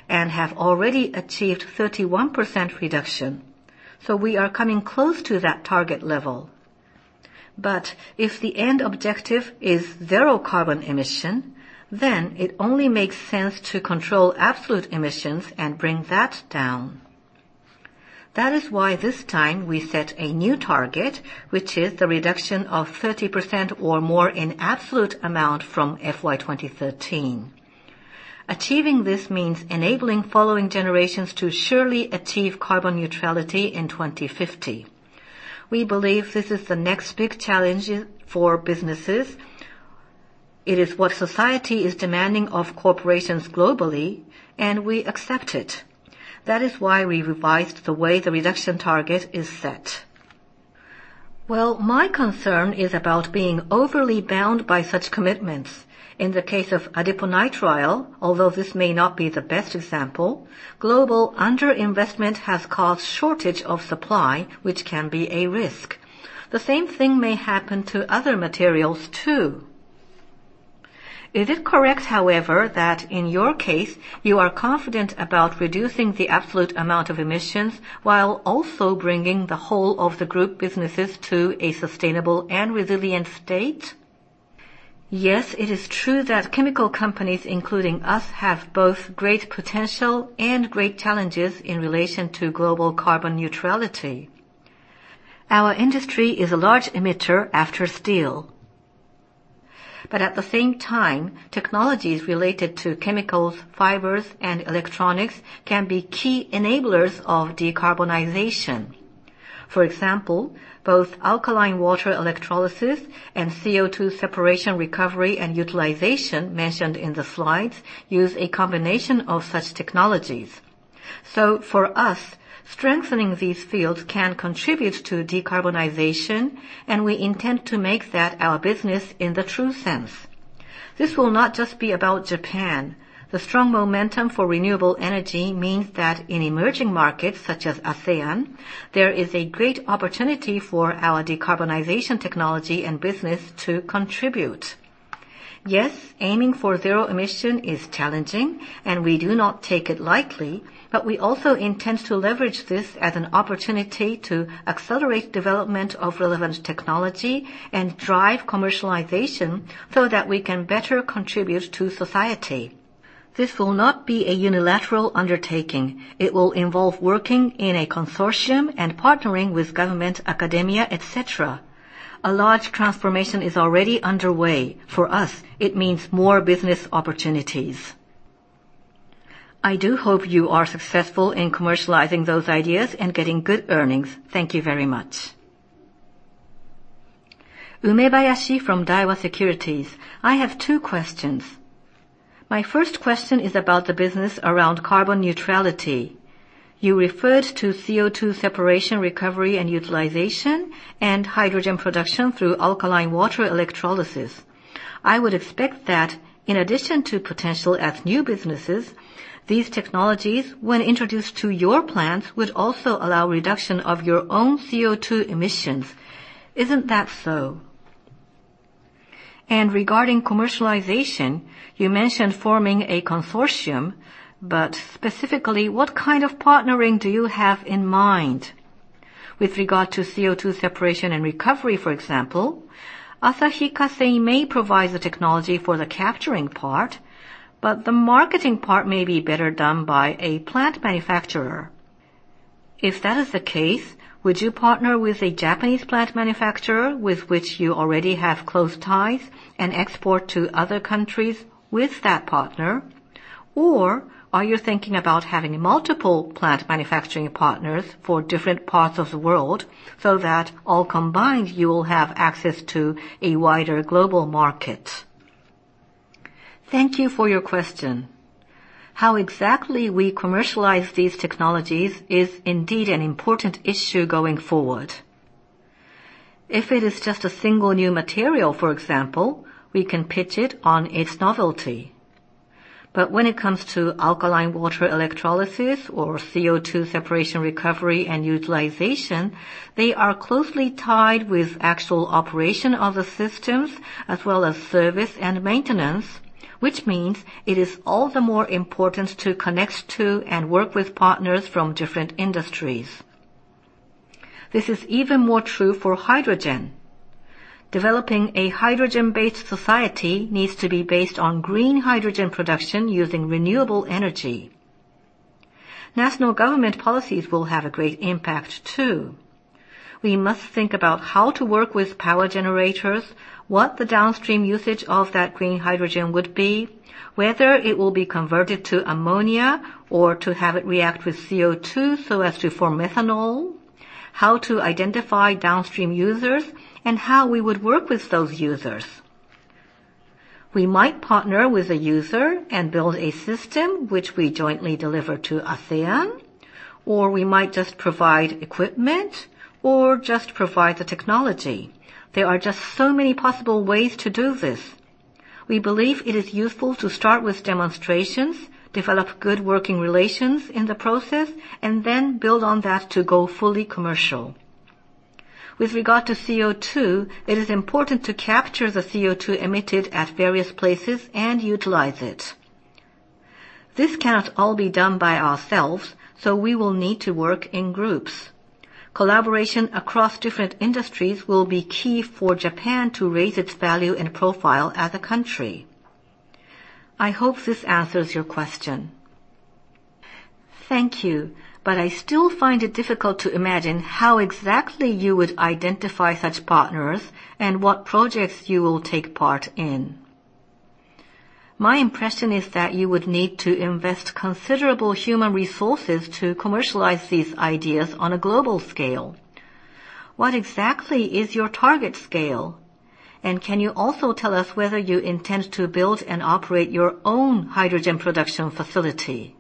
and have already achieved 31% reduction. We are coming close to that target level. If the end objective is zero carbon emission, then it only makes sense to control absolute emissions and bring that down. That is why this time we set a new target, which is the reduction of 30% or more in absolute amount from FY 2013. Achieving this means enabling following generations to surely achieve carbon neutrality in 2050. We believe this is the next big challenge for businesses. It is what society is demanding of corporations globally, and we accept it. That is why we revised the way the reduction target is set. Well, my concern is about being overly bound by such commitments. In the case of adiponitrile, although this may not be the best example, global underinvestment has caused shortage of supply, which can be a risk. The same thing may happen to other materials, too. Is it correct, however, that in your case, you are confident about reducing the absolute amount of emissions while also bringing the whole of the group businesses to a sustainable and resilient state? Yes, it is true that chemical companies, including us, have both great potential and great challenges in relation to global carbon neutrality. Our industry is a large emitter after steel. At the same time, technologies related to chemicals, fibers, and electronics can be key enablers of decarbonization. For example, both alkaline water electrolysis and CO2 separation, recovery, and utilization mentioned in the slides use a combination of such technologies. For us, strengthening these fields can contribute to decarbonization, and we intend to make that our business in the true sense. This will not just be about Japan. The strong momentum for renewable energy means that in emerging markets such as ASEAN, there is a great opportunity for our decarbonization technology and business to contribute. Yes, aiming for zero emission is challenging, and we do not take it lightly, but we also intend to leverage this as an opportunity to accelerate development of relevant technology and drive commercialization so that we can better contribute to society. This will not be a unilateral undertaking. It will involve working in a consortium and partnering with government, academia, et cetera. A large transformation is already underway. For us, it means more business opportunities. I do hope you are successful in commercializing those ideas and getting good earnings. Thank you very much. Umebayashi from Daiwa Securities. I have two questions. My first question is about the business around carbon neutrality. You referred to CO2 separation, recovery, and utilization, and hydrogen production through alkaline water electrolysis. I would expect that in addition to potential as new businesses, these technologies, when introduced to your plants, would also allow reduction of your own CO2 emissions. Isn't that so? Regarding commercialization, you mentioned forming a consortium, but specifically, what kind of partnering do you have in mind? With regard to CO2 separation and recovery, for example, Asahi Kasei may provide the technology for the capturing part, but the marketing part may be better done by a plant manufacturer. If that is the case, would you partner with a Japanese plant manufacturer with which you already have close ties and export to other countries with that partner? Are you thinking about having multiple plant manufacturing partners for different parts of the world so that all combined you will have access to a wider global market? Thank you for your question. How exactly we commercialize these technologies is indeed an important issue going forward. If it is just a single new material, for example, we can pitch it on its novelty. When it comes to alkaline water electrolysis or CO2 separation, recovery, and utilization, they are closely tied with actual operation of the systems as well as service and maintenance, which means it is all the more important to connect to and work with partners from different industries. This is even more true for hydrogen. Developing a hydrogen-based society needs to be based on green hydrogen production using renewable energy. National government policies will have a great impact too. We must think about how to work with power generators, what the downstream usage of that green hydrogen would be, whether it will be converted to ammonia or to have it react with CO2 so as to form methanol, how to identify downstream users, and how we would work with those users. We might partner with a user and build a system which we jointly deliver to ASEAN, or we might just provide equipment, or just provide the technology. There are just so many possible ways to do this. We believe it is useful to start with demonstrations, develop good working relations in the process, and then build on that to go fully commercial. With regard to CO2, it is important to capture the CO2 emitted at various places and utilize it. This cannot all be done by ourselves, so we will need to work in groups. Collaboration across different industries will be key for Japan to raise its value and profile as a country. I hope this answers your question. Thank you. I still find it difficult to imagine how exactly you would identify such partners and what projects you will take part in. My impression is that you would need to invest considerable human resources to commercialize these ideas on a global scale. What exactly is your target scale? Can you also tell us whether you intend to build and operate your own hydrogen production facility?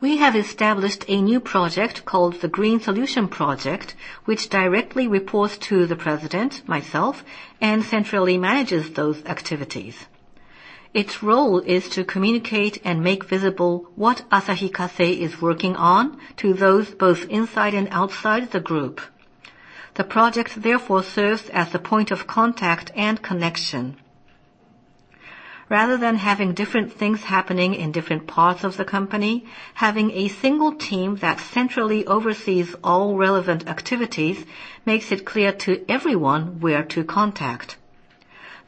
We have established a new project called the Green Solution Project, which directly reports to the President, myself, and centrally manages those activities. Its role is to communicate and make visible what Asahi Kasei is working on to those both inside and outside the group. The project therefore serves as the point of contact and connection. Rather than having different things happening in different parts of the company, having a single team that centrally oversees all relevant activities makes it clear to everyone where to contact.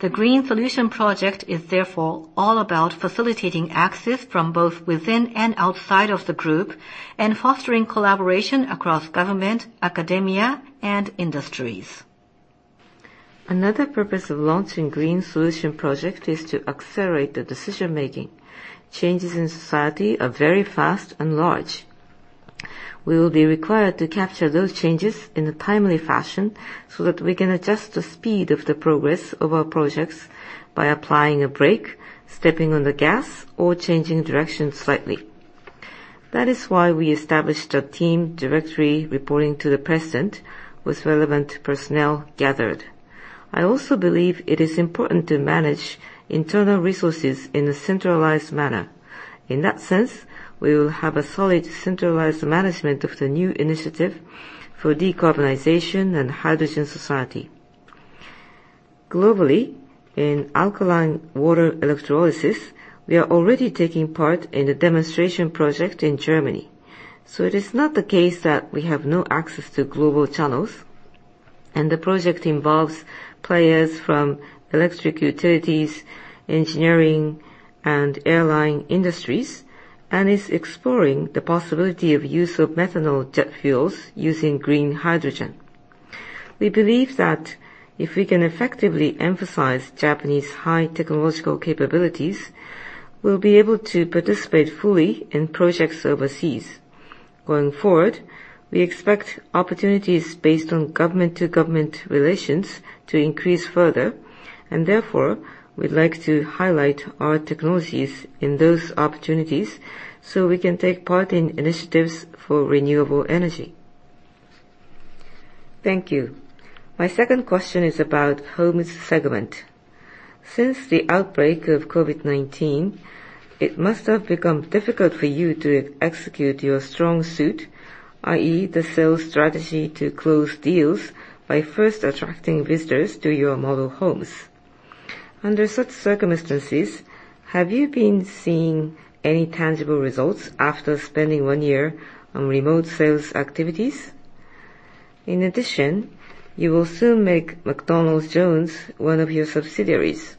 The Green Solution Project is therefore all about facilitating access from both within and outside of the group and fostering collaboration across government, academia, and industries. Another purpose of launching Green Solution Project is to accelerate the decision-making. Changes in society are very fast and large. We will be required to capture those changes in a timely fashion so that we can adjust the speed of the progress of our projects by applying a brake, stepping on the gas, or changing direction slightly. That is why we established a team directory reporting to the President with relevant personnel gathered. I also believe it is important to manage internal resources in a centralized manner. In that sense, we will have a solid centralized management of the new initiative for decarbonization and a hydrogen society. Globally, in alkaline water electrolysis, we are already taking part in a demonstration project in Germany. It is not the case that we have no access to global channels, and the project involves players from electric utilities, engineering, and airline industries, and is exploring the possibility of use of methanol jet fuels using green hydrogen. We believe that if we can effectively emphasize Japanese high technological capabilities, we'll be able to participate fully in projects overseas. Going forward, we expect opportunities based on government-to-government relations to increase further, and therefore, we'd like to highlight our technologies in those opportunities so we can take part in initiatives for renewable energy. Thank you. My second question is about Homes segment. Since the outbreak of COVID-19, it must have become difficult for you to execute your strong suit, i.e. the sales strategy to close deals by first attracting visitors to your model homes. Under such circumstances, have you been seeing any tangible results after spending one year on remote sales activities? You will soon make McDonald Jones Homes one of your subsidiaries.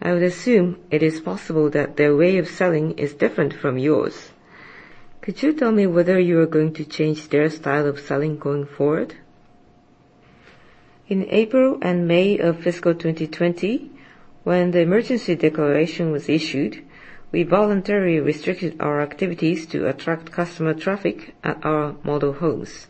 I would assume it is possible that their way of selling is different from yours. Could you tell me whether you are going to change their style of selling going forward? In April and May of fiscal 2020, when the emergency declaration was issued, we voluntarily restricted our activities to attract customer traffic at our model homes.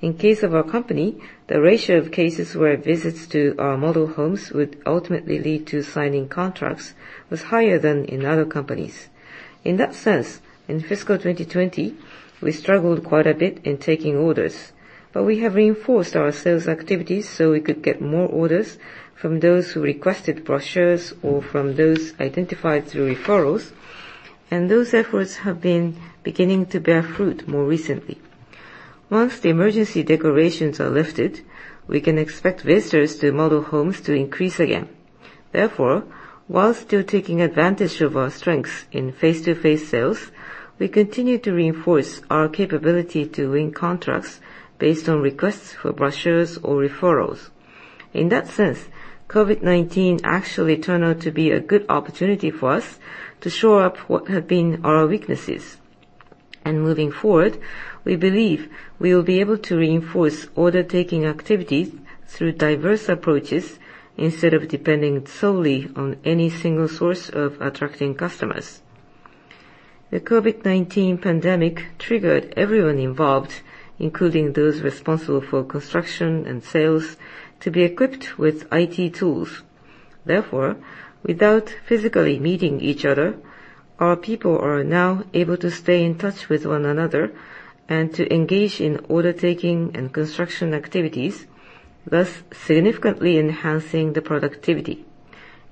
In case of our company, the ratio of cases where visits to our model homes would ultimately lead to signing contracts was higher than in other companies. In fiscal 2020, we struggled quite a bit in taking orders. We have reinforced our sales activities so we could get more orders from those who requested brochures or from those identified through referrals, and those efforts have been beginning to bear fruit more recently. Once the emergency declarations are lifted, we can expect visitors to model homes to increase again. Therefore, while still taking advantage of our strengths in face-to-face sales, we continue to reinforce our capability to win contracts based on requests for brochures or referrals. In that sense, COVID-19 actually turned out to be a good opportunity for us to shore up what have been our weaknesses. Moving forward, we believe we will be able to reinforce order-taking activities through diverse approaches instead of depending solely on any single source of attracting customers. The COVID-19 pandemic triggered everyone involved, including those responsible for construction and sales, to be equipped with IT tools. Therefore, without physically meeting each other, our people are now able to stay in touch with one another and to engage in order-taking and construction activities, thus significantly enhancing the productivity.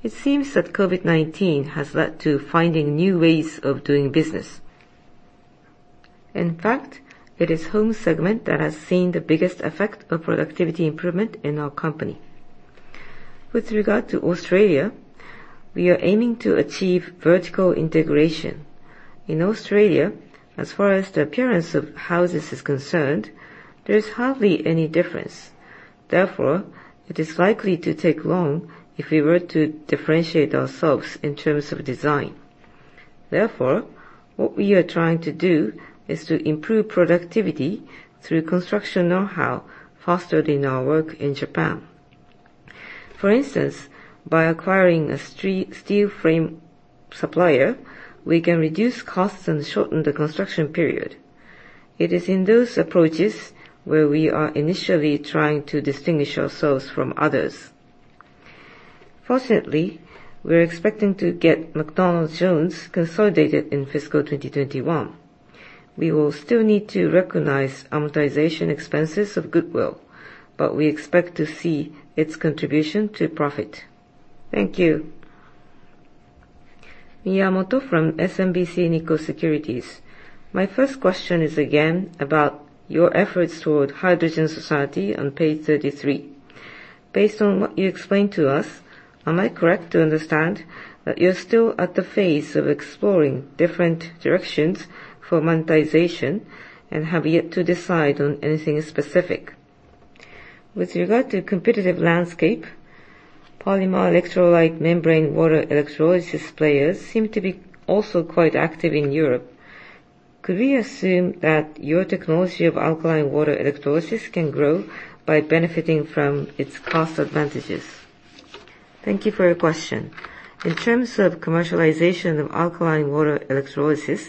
It seems that COVID-19 has led to finding new ways of doing business. In fact, it is Homes segment that has seen the biggest effect of productivity improvement in our company. With regard to Australia, we are aiming to achieve vertical integration. In Australia, as far as the appearance of houses is concerned, there's hardly any difference. Therefore, it is likely to take long if we were to differentiate ourselves in terms of design. Therefore, what we are trying to do is to improve productivity through construction knowhow fostered in our work in Japan. For instance, by acquiring a steel frame supplier, we can reduce costs and shorten the construction period. It is in those approaches where we are initially trying to distinguish ourselves from others. Fortunately, we are expecting to get McDonald Jones Homes consolidated in fiscal 2021. We will still need to recognize amortization expenses of goodwill, but we expect to see its contribution to profit. Thank you. Go Miyamoto from SMBC Nikko Securities. My first question is again about your efforts toward hydrogen society on page 33. Based on what you explained to us, am I correct to understand that you're still at the phase of exploring different directions for monetization and have yet to decide on anything specific? With regard to competitive landscape, polymer electrolyte membrane water electrolysis players seem to be also quite active in Europe. Could we assume that your technology of alkaline water electrolysis can grow by benefiting from its cost advantages? Thank you for your question. In terms of commercialization of alkaline water electrolysis,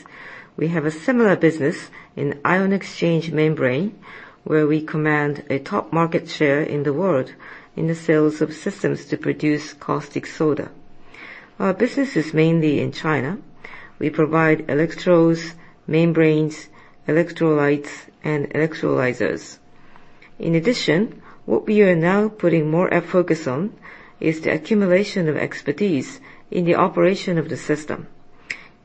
we have a similar business in ion exchange membrane, where we command a top market share in the world in the sales of systems to produce caustic soda. Our business is mainly in China. We provide electrodes, membranes, electrolytes, and electrolyzers. In addition, what we are now putting more focus on is the accumulation of expertise in the operation of the system.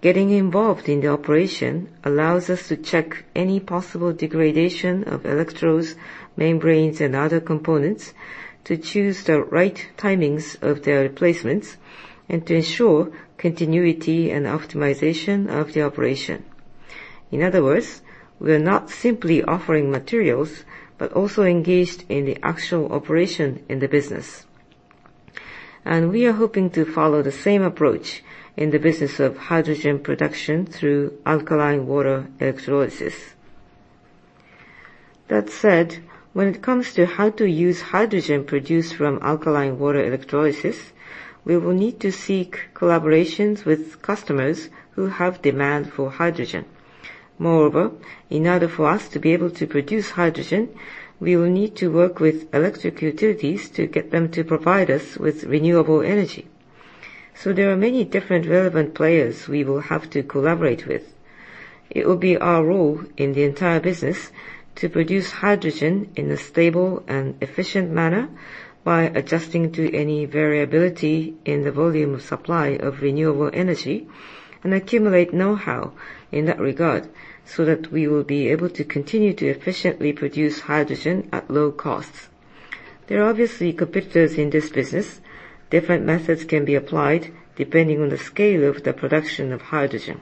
Getting involved in the operation allows us to check any possible degradation of electrodes, membranes, and other components to choose the right timings of their replacements and to ensure continuity and optimization of the operation. In other words, we are not simply offering materials, but also engaged in the actual operation in the business. We are hoping to follow the same approach in the business of hydrogen production through alkaline water electrolysis. That said, when it comes to how to use hydrogen produced from alkaline water electrolysis, we will need to seek collaborations with customers who have demand for hydrogen. Moreover, in order for us to be able to produce hydrogen, we will need to work with electric utilities to get them to provide us with renewable energy. There are many different relevant players we will have to collaborate with. It will be our role in the entire business to produce hydrogen in a stable and efficient manner by adjusting to any variability in the volume of supply of renewable energy and accumulate know-how in that regard, so that we will be able to continue to efficiently produce hydrogen at low costs. There are obviously competitors in this business. Different methods can be applied depending on the scale of the production of hydrogen.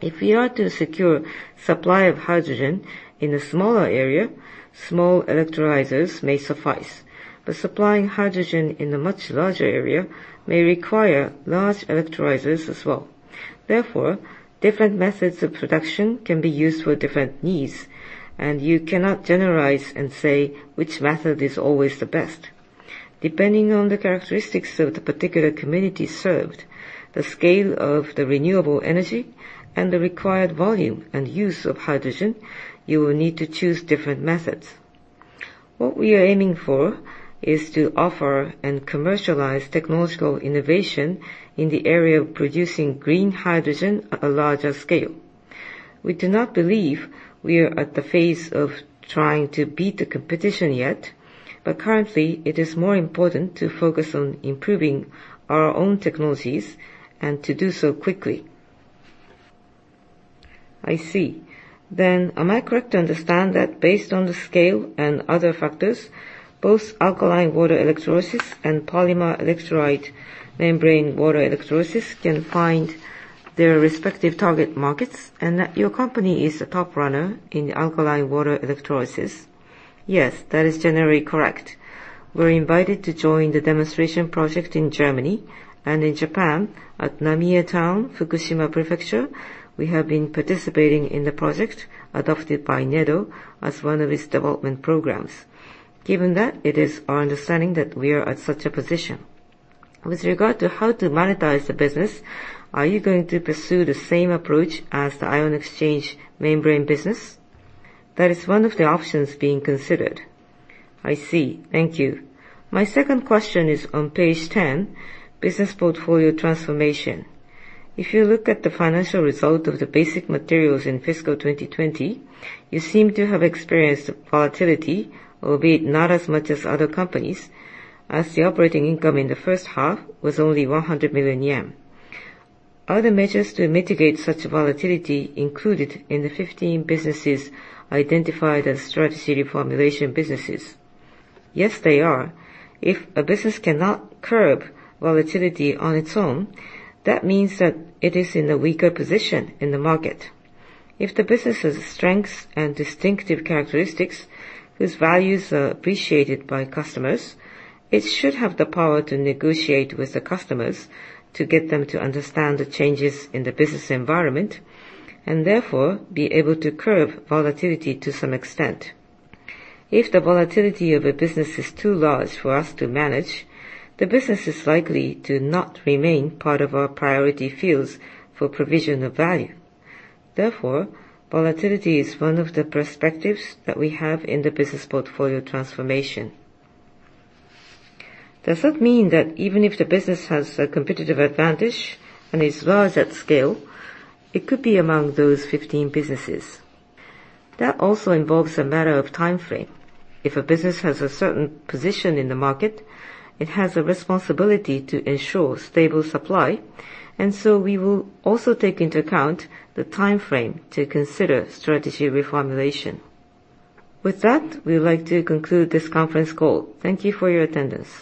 If we are to secure supply of hydrogen in a smaller area, small electrolyzers may suffice, but supplying hydrogen in a much larger area may require large electrolyzers as well. Therefore, different methods of production can be used for different needs, and you cannot generalize and say which method is always the best. Depending on the characteristics of the particular community served, the scale of the renewable energy, and the required volume and use of hydrogen, you will need to choose different methods. What we are aiming for is to offer and commercialize technological innovation in the area of producing green hydrogen at a larger scale. We do not believe we are at the phase of trying to beat the competition yet, but currently, it is more important to focus on improving our own technologies and to do so quickly. I see. Am I correct to understand that based on the scale and other factors, both alkaline water electrolysis and polymer electrolyte membrane water electrolysis can find their respective target markets, and that your company is a top runner in alkaline water electrolysis? Yes, that is generally correct. We're invited to join the demonstration project in Germany and in Japan at Namie Town, Fukushima Prefecture. We have been participating in the project adopted by NEDO as one of its development programs. Given that, it is our understanding that we are at such a position. With regard to how to monetize the business, are you going to pursue the same approach as the ion exchange membrane business? That is one of the options being considered. I see. Thank you. My second question is on page 10, business portfolio transformation. If you look at the financial result of the basic materials in fiscal 2020, you seem to have experienced volatility, albeit not as much as other companies, as the operating income in the first half was only 100 million yen. Are the measures to mitigate such volatility included in the 15 businesses identified as strategy reformulation businesses? Yes, they are. If a business cannot curb volatility on its own, that means that it is in a weaker position in the market. If the business has strengths and distinctive characteristics whose values are appreciated by customers, it should have the power to negotiate with the customers to get them to understand the changes in the business environment and therefore be able to curb volatility to some extent. If the volatility of a business is too large for us to manage, the business is likely to not remain part of our priority fields for provision of value. Therefore, volatility is one of the perspectives that we have in the business portfolio transformation. Does that mean that even if the business has a competitive advantage and is large at scale, it could be among those 15 businesses? That also involves a matter of time frame. If a business has a certain position in the market, it has a responsibility to ensure stable supply, and so we will also take into account the time frame to consider strategy reformulation. With that, we would like to conclude this conference call. Thank you for your attendance.